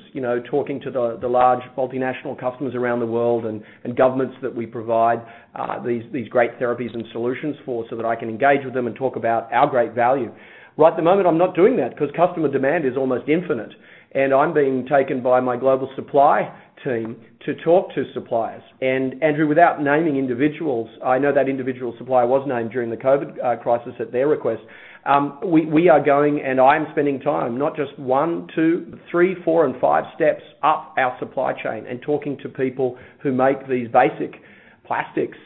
Talking to the large multinational customers around the world and governments that we provide these great therapies and solutions for so that I can engage with them and talk about our great value. At the moment, I'm not doing that because customer demand is almost infinite, and I'm being taken by my global supply team to talk to suppliers. Andrew, without naming individuals, I know that individual supplier was named during the COVID-19 crisis at their request. We are going, and I'm spending time, not just one, two, three, four, and five steps up our supply chain and talking to people who make these basic plastics,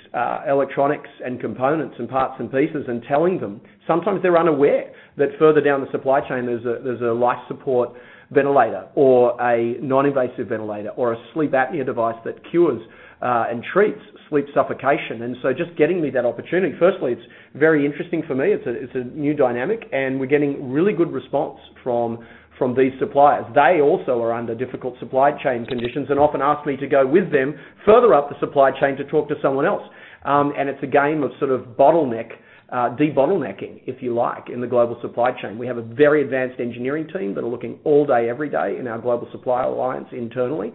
electronics, and components and parts and pieces and telling them. Sometimes they're unaware that further down the supply chain, there's a life support ventilator or a non-invasive ventilator or a sleep apnea device that cures and treats sleep suffocation. Just getting me that opportunity. Firstly, it's very interesting for me. It's a new dynamic, and we're getting really good response from these suppliers. They also are under difficult supply chain conditions and often ask me to go with them further up the supply chain to talk to someone else. It's a game of sort of bottleneck, de-bottlenecking, if you like, in the global supply chain. We have a very advanced engineering team that are looking all day, every day in our global supply alliance internally,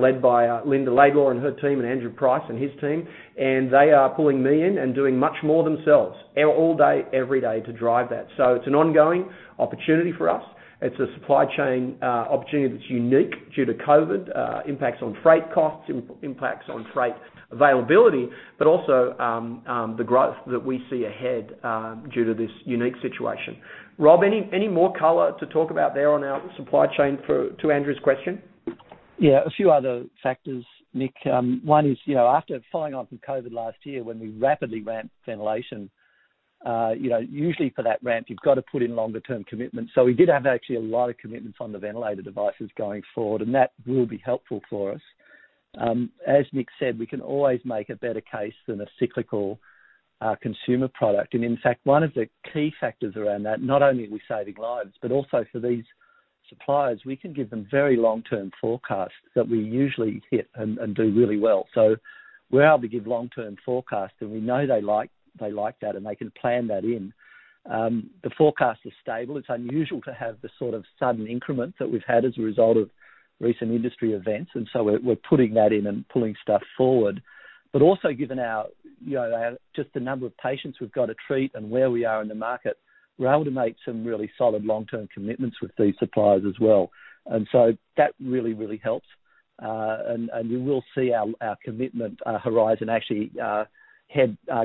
led by Linda Laidlaw and her team, and Andrew Price and his team. They are pulling me in and doing much more themselves all day, every day to drive that. It's an ongoing opportunity for us. It's a supply chain opportunity that's unique due to COVID, impacts on freight costs, impacts on freight availability, but also the growth that we see ahead due to this unique situation. Rob, any more color to talk about there on our supply chain to Andrew's question? Yeah, a few other factors, Mick. One is, after following on from COVID-19 last year, when we rapidly ramped ventilation. Usually for that ramp, you've got to put in longer term commitments. We did have actually a lot of commitments on the ventilator devices going forward, and that will be helpful for us. As Mick said, we can always make a better case than a cyclical consumer product. In fact, one of the key factors around that, not only are we saving lives, but also for these suppliers, we can give them very long-term forecasts that we usually hit and do really well. We're able to give long-term forecasts, and we know they like that, and they can plan that in. The forecast is stable. It's unusual to have the sort of sudden increments that we've had as a result of recent industry events. We're putting that in and pulling stuff forward. Also given just the number of patients we've got to treat and where we are in the market, we're able to make some really solid long-term commitments with these suppliers as well. That really helps. You will see our commitment horizon actually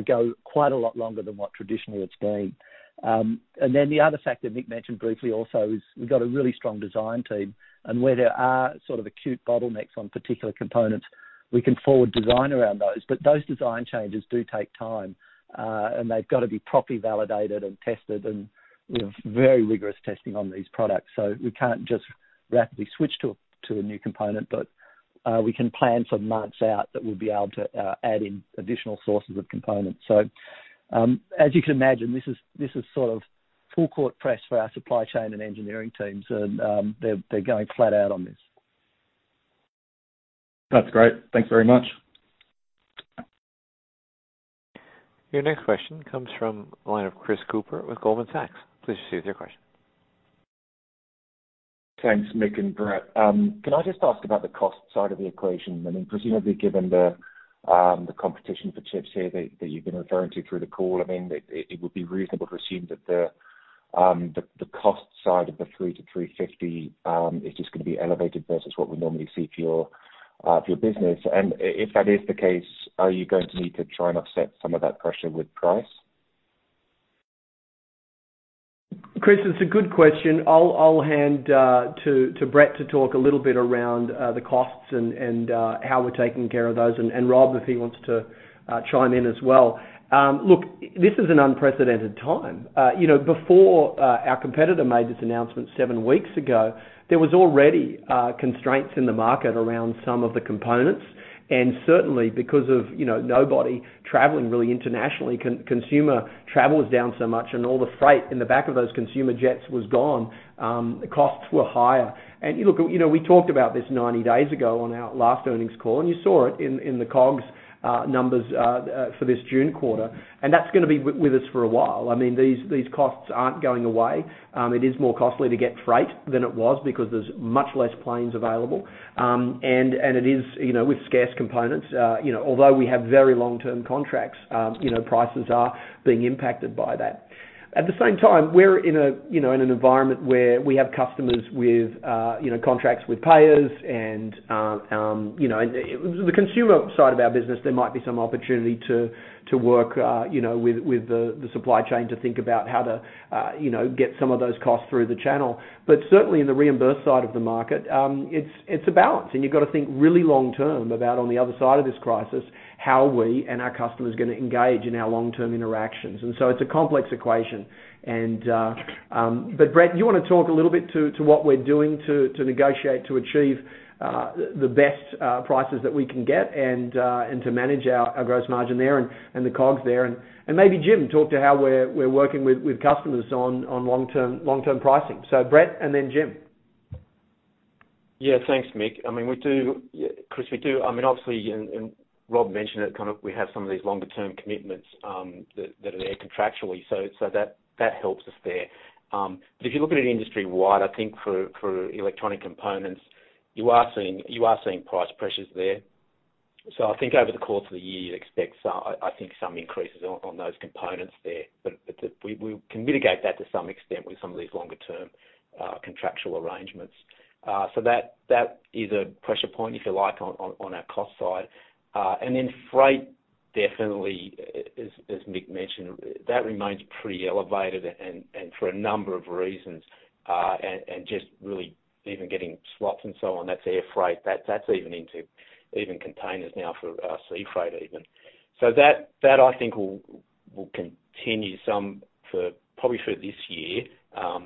go quite a lot longer than what traditionally it's been. The other factor Mick mentioned briefly also is we've got a really strong design team, and where there are sort of acute bottlenecks on particular components, we can forward design around those. Those design changes do take time, and they've got to be properly validated and tested and very rigorous testing on these products. We can't just rapidly switch to a new component, but we can plan for months out that we'll be able to add in additional sources of components. As you can imagine, this is sort of full-court press for our supply chain and engineering teams, and they're going flat out on this. That's great. Thanks very much. Your next question comes from the line of Chris Cooper with Goldman Sachs. Please proceed with your question. Thanks, Mick and Brett. Can I just ask about the cost side of the equation? I mean, presumably, given the competition for chips here that you've been referring to through the call, I mean, it would be reasonable to assume that the cost side of the $300-$350 is just going to be elevated versus what we normally see for your business. If that is the case, are you going to need to try and offset some of that pressure with price? Chris, it's a good question. I'll hand to Brett to talk a little bit around the costs and how we're taking care of those, and Rob, if he wants to chime in as well. Look, this is an unprecedented time. Before our competitor made this announcement 7 weeks ago, there was already constraints in the market around some of the components, and certainly because of nobody traveling really internationally, consumer travel was down so much, and all the freight in the back of those consumer jets was gone. Costs were higher. Look, we talked about this 90 days ago on our last earnings call, and you saw it in the COGS numbers for this June quarter, and that's going to be with us for a while. These costs aren't going away. It is more costly to get freight than it was because there's much less planes available. It is with scarce components. Although we have very long-term contracts, prices are being impacted by that. At the same time, we're in an environment where we have customers with contracts with payers. The consumer side of our business, there might be some opportunity to work with the supply chain to think about how to get some of those costs through the channel. Certainly in the reimbursed side of the market, it's a balance, and you've got to think really long-term about on the other side of this crisis, how we and our customers are going to engage in our long-term interactions. It's a complex equation. Brett, you want to talk a little bit to what we're doing to negotiate to achieve the best prices that we can get and to manage our gross margin there and the COGS there. Maybe Jim, talk to how we're working with customers on long-term pricing. Brett and then Jim. Thanks, Mick. Chris, we do. Obviously, and Rob mentioned it, we have some of these longer-term commitments that are there contractually, so that helps us there. If you look at it industry-wide, I think for electronic components, you are seeing price pressures there. I think over the course of the year, you'd expect some increases on those components there. We can mitigate that to some extent with some of these longer-term contractual arrangements. That is a pressure point, if you like, on our cost side. Then freight, definitely, as Mick mentioned, that remains pretty elevated and for a number of reasons, and just really even getting slots and so on. That's air freight. That's even into containers now for sea freight even. That, I think, will continue probably for this year. I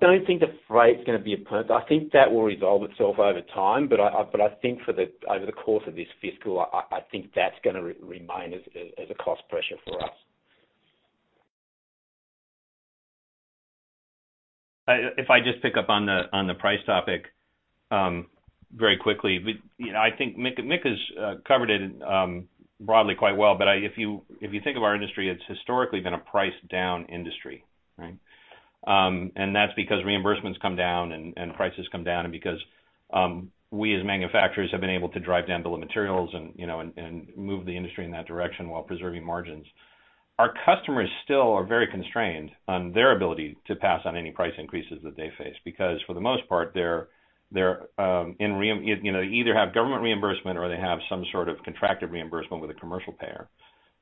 don't think the freight's going to be a permanent. I think that will resolve itself over time, but I think over the course of this fiscal, I think that's going to remain as a cost pressure for us. If I just pick up on the price topic very quickly. I think Mick has covered it broadly quite well. If you think of our industry, it's historically been a price-down industry, right? That's because reimbursements come down and prices come down, and because we as manufacturers have been able to drive down bill of materials and move the industry in that direction while preserving margins. Our customers still are very constrained on their ability to pass on any price increases that they face, because for the most part, they either have government reimbursement or they have some sort of contracted reimbursement with a commercial payer.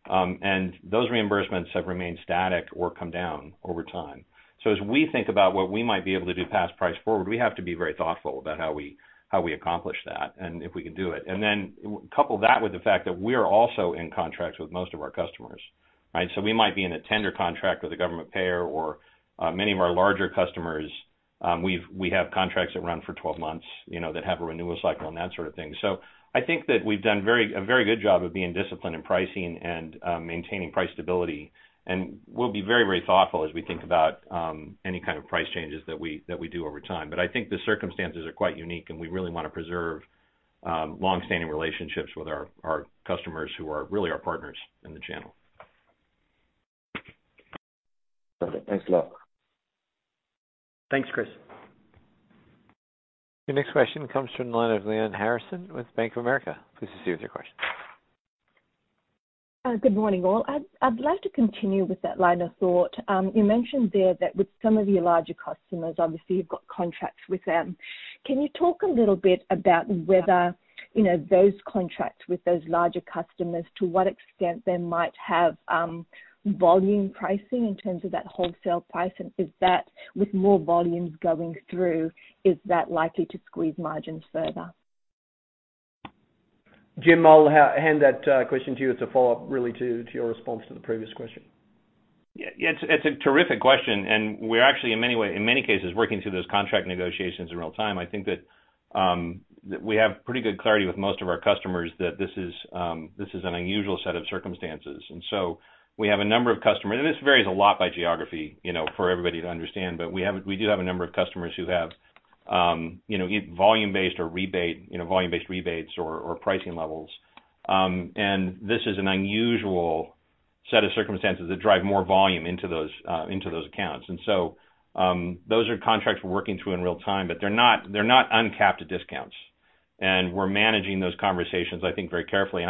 Those reimbursements have remained static or come down over time. As we think about what we might be able to do past price forward, we have to be very thoughtful about how we accomplish that and if we can do it. Couple that with the fact that we're also in contracts with most of our customers. We might be in a tender contract with a government payer or many of our larger customers, we have contracts that run for 12 months, that have a renewal cycle and that sort of thing. I think that we've done a very good job of being disciplined in pricing and maintaining price stability. We'll be very thoughtful as we think about any kind of price changes that we do over time. I think the circumstances are quite unique, and we really want to preserve long-standing relationships with our customers, who are really our partners in the channel. Perfect. Thanks a lot. Thanks, Chris. Your next question comes from the line of Lyanne Harrison with Bank of America. Please proceed with your question. Good morning, all. I'd like to continue with that line of thought. You mentioned there that with some of your larger customers, obviously you've got contracts with them. Can you talk a little bit about whether those contracts with those larger customers, to what extent they might have volume pricing in terms of that wholesale price? With more volumes going through, is that likely to squeeze margins further? Jim, I'll hand that question to you as a follow-up, really, to your response to the previous question. Yeah. It's a terrific question. We're actually, in many cases, working through those contract negotiations in real time. I think that we have pretty good clarity with most of our customers that this is an unusual set of circumstances. We have a number of customers, and this varies a lot by geography, for everybody to understand, but we do have a number of customers who have volume-based rebates or pricing levels. This is an unusual set of circumstances that drive more volume into those accounts. Those are contracts we're working through in real time, but they're not uncapped discounts. We're managing those conversations, I think, very carefully.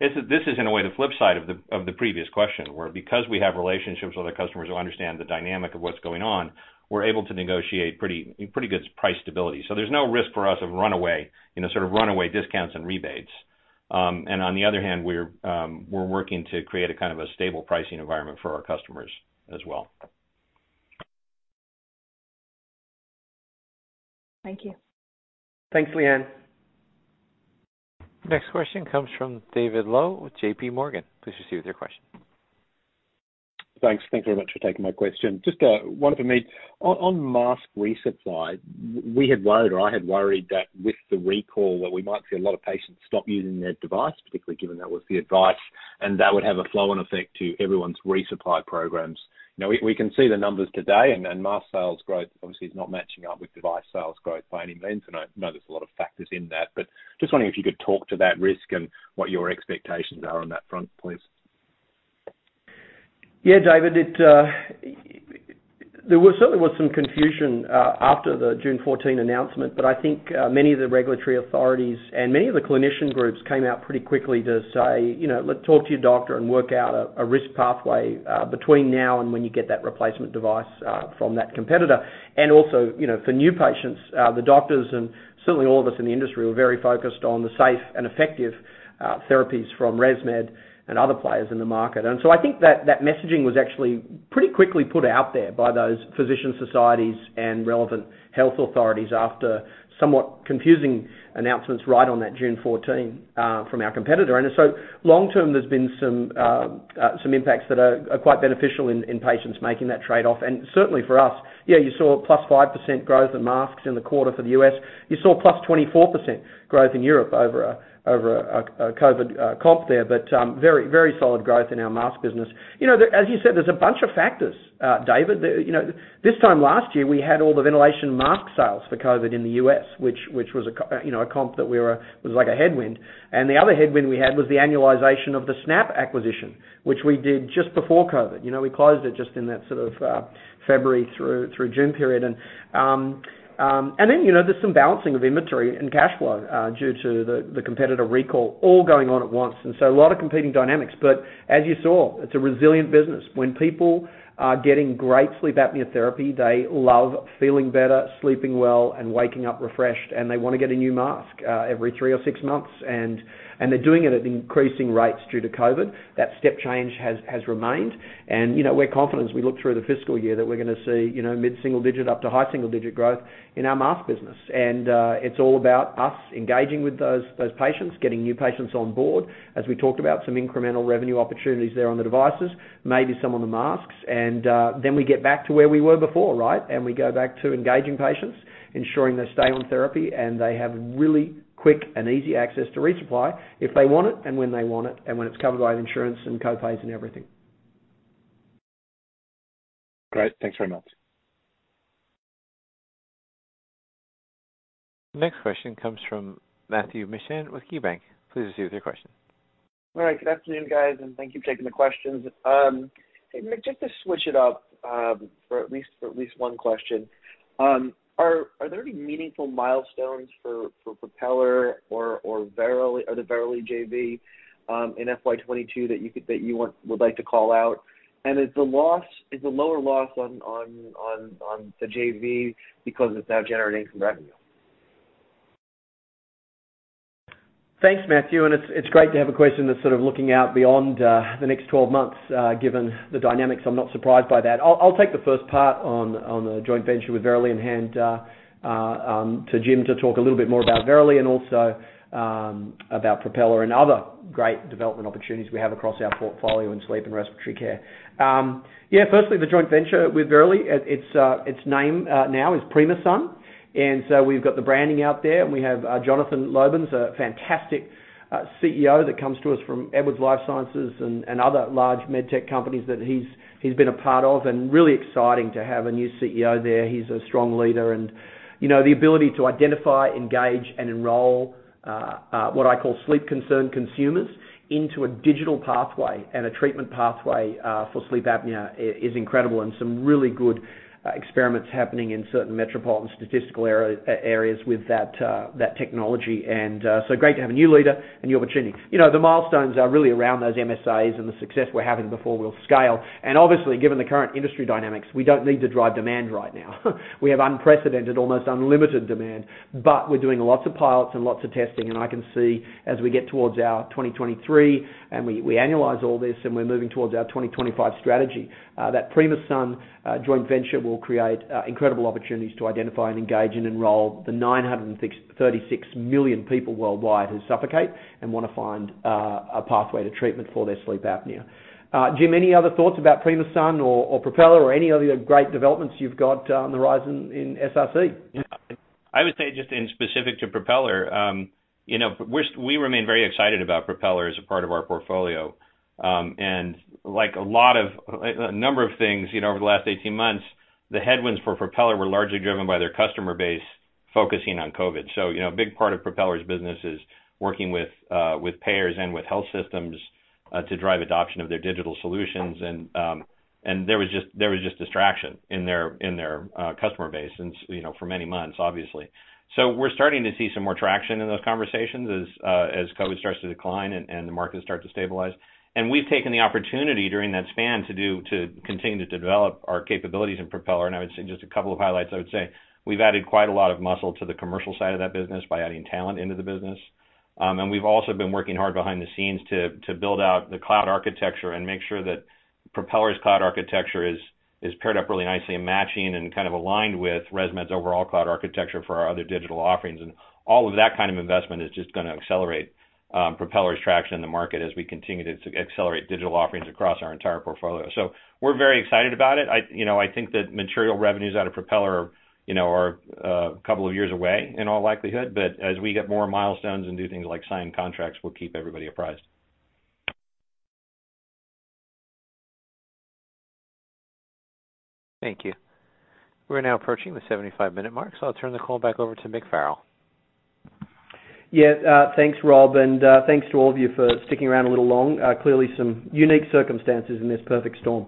This is, in a way, the flip side of the previous question, where because we have relationships with our customers who understand the dynamic of what's going on, we're able to negotiate pretty good price stability. There's no risk for us of runaway discounts and rebates. On the other hand, we're working to create a kind of a stable pricing environment for our customers as well. Thank you. Thanks, Lyanne. Next question comes from David Low with JPMorgan. Please proceed with your question. Thanks. Thank you very much for taking my question. Just one for me. On mask resupply, we had worried, or I had worried that with the recall, that we might see a lot of patients stop using their device, particularly given that was the advice, and that would have a flow-on effect to everyone's resupply programs. We can see the numbers today, and mask sales growth obviously is not matching up with device sales growth by any means, and I know there's a lot of factors in that, but just wondering if you could talk to that risk and what your expectations are on that front, please. Yeah, David. There certainly was some confusion after the June 14 announcement, but I think many of the regulatory authorities and many of the clinician groups came out pretty quickly to say, "Talk to your doctor and work out a risk pathway between now and when you get that replacement device from that competitor." Also, for new patients, the doctors and certainly all of us in the industry, were very focused on the safe and effective therapies from ResMed and other players in the market. So I think that messaging was actually pretty quickly put out there by those physician societies and relevant health authorities after somewhat confusing announcements right on that June 14 from our competitor. So long term, there's been some impacts that are quite beneficial in patients making that trade-off. Certainly for us, yeah, you saw a +5% growth in masks in the quarter for the U.S. You saw +24% growth in Europe over a COVID comp there, but very solid growth in our mask business. As you said, there's a bunch of factors, David. This time last year, we had all the ventilation mask sales for COVID in the U.S., which was a comp that was like a headwind. The other headwind we had was the annualization of the Snap acquisition, which we did just before COVID. We closed it just in that sort of February through June period. Then, there's some balancing of inventory and cash flow due to the competitor recall all going on at once. So a lot of competing dynamics, but as you saw, it's a resilient business. When people are getting great sleep apnea therapy, they love feeling better, sleeping well, and waking up refreshed. They want to get a new mask every three or six months. They're doing it at increasing rates due to COVID. That step change has remained. We're confident as we look through the fiscal year that we're going to see mid-single digit up to high single digit growth in our mask business. It's all about us engaging with those patients, getting new patients on board. As we talked about, some incremental revenue opportunities there on the devices, maybe some on the masks. Then we get back to where we were before, right? We go back to engaging patients, ensuring they stay on therapy, and they have really quick and easy access to resupply if they want it and when they want it, and when it's covered by insurance and co-pays and everything. Great. Thanks very much. Next question comes from Matthew Mishan with KeyBanc Capital Markets. Please proceed with your question. All right. Good afternoon, guys, thank you for taking the questions. Hey, Mick, just to switch it up for at least one question. Are there any meaningful milestones for Propeller or the Verily JV in FY22 that you would like to call out? Is the lower loss on the JV because it's now generating some revenue? Thanks, Matthew, and it's great to have a question that's sort of looking out beyond the next 12 months. Given the dynamics, I'm not surprised by that. I'll take the first part on the joint venture with Verily and hand to Jim to talk a little bit more about Verily and also about Propeller and other great development opportunities we have across our portfolio in Sleep and Respiratory Care. Yeah, firstly, the joint venture with Verily, its name now is Primasun. We've got the branding out there, and we have Jonathan Lobens, a fantastic CEO that comes to us from Edwards Lifesciences and other large med tech companies that he's been a part of, and really exciting to have a new CEO there. He's a strong leader and, the ability to identify, engage, and enroll what I call sleep-concerned consumers into a digital pathway and a treatment pathway for sleep apnea is incredible, and some really good experiments happening in certain metropolitan statistical areas with that technology. Great to have a new leader and new opportunity. The milestones are really around those MSAs and the success we're having before we'll scale. Obviously, given the current industry dynamics, we don't need to drive demand right now. We have unprecedented, almost unlimited demand. We're doing lots of pilots and lots of testing, and I can see as we get towards our 2023, and we annualize all this, and we're moving towards our 2025 strategy, that Primasun joint venture will create incredible opportunities to identify and engage and enroll the 936 million people worldwide who suffocate and want to find a pathway to treatment for their sleep apnea. Jim, any other thoughts about Primasun or Propeller or any of the great developments you've got on the rise in SRC? Yeah. I would say just in specific to Propeller, we remain very excited about Propeller as a part of our portfolio. Like a number of things over the last 18 months, the headwinds for Propeller were largely driven by their customer base focusing on COVID. A big part of Propeller's business is working with payers and with health systems to drive adoption of their digital solutions, and there was just distraction in their customer base for many months, obviously. We're starting to see some more traction in those conversations as COVID starts to decline and the markets start to stabilize. We've taken the opportunity during that span to continue to develop our capabilities in Propeller. I would say just a couple of highlights, I would say we've added quite a lot of muscle to the commercial side of that business by adding talent into the business. We've also been working hard behind the scenes to build out the cloud architecture and make sure that Propeller's cloud architecture is paired up really nicely and matching and kind of aligned with ResMed's overall cloud architecture for our other digital offerings. All of that kind of investment is just going to accelerate Propeller's traction in the market as we continue to accelerate digital offerings across our entire portfolio. We're very excited about it. I think that material revenues out of Propeller are a couple of years away in all likelihood. As we get more milestones and do things like sign contracts, we'll keep everybody apprised. Thank you. We're now approaching the 75-minute mark, so I'll turn the call back over to Mick Farrell. Thanks, Rob, and thanks to all of you for sticking around a little long. Clearly, some unique circumstances in this perfect storm.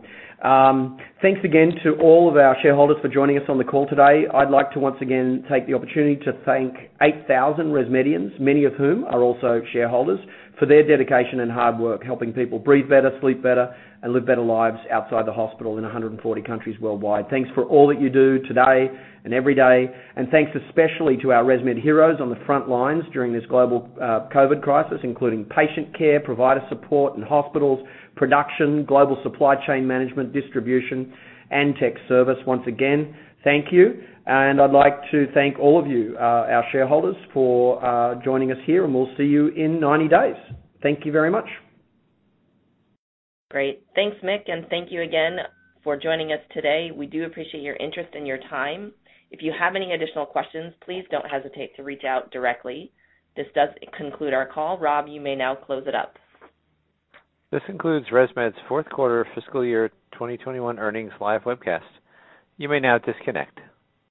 Thanks again to all of our shareholders for joining us on the call today. I'd like to once again take the opportunity to thank 8,000 ResMedians, many of whom are also shareholders, for their dedication and hard work helping people breathe better, sleep better, and live better lives outside the hospital in 140 countries worldwide. Thanks for all that you do today and every day, and thanks especially to our ResMed heroes on the front lines during this global COVID crisis, including patient care, provider support in hospitals, production, global supply chain management, distribution, and tech service. Once again, thank you. I'd like to thank all of you, our shareholders, for joining us here, and we'll see you in 90 days. Thank you very much. Great. Thanks, Mick, and thank you again for joining us today. We do appreciate your interest and your time. If you have any additional questions, please don't hesitate to reach out directly. This does conclude our call. Rob, you may now close it up. This concludes ResMed's Q4 fiscal year 2021 earnings live webcast. You may now disconnect.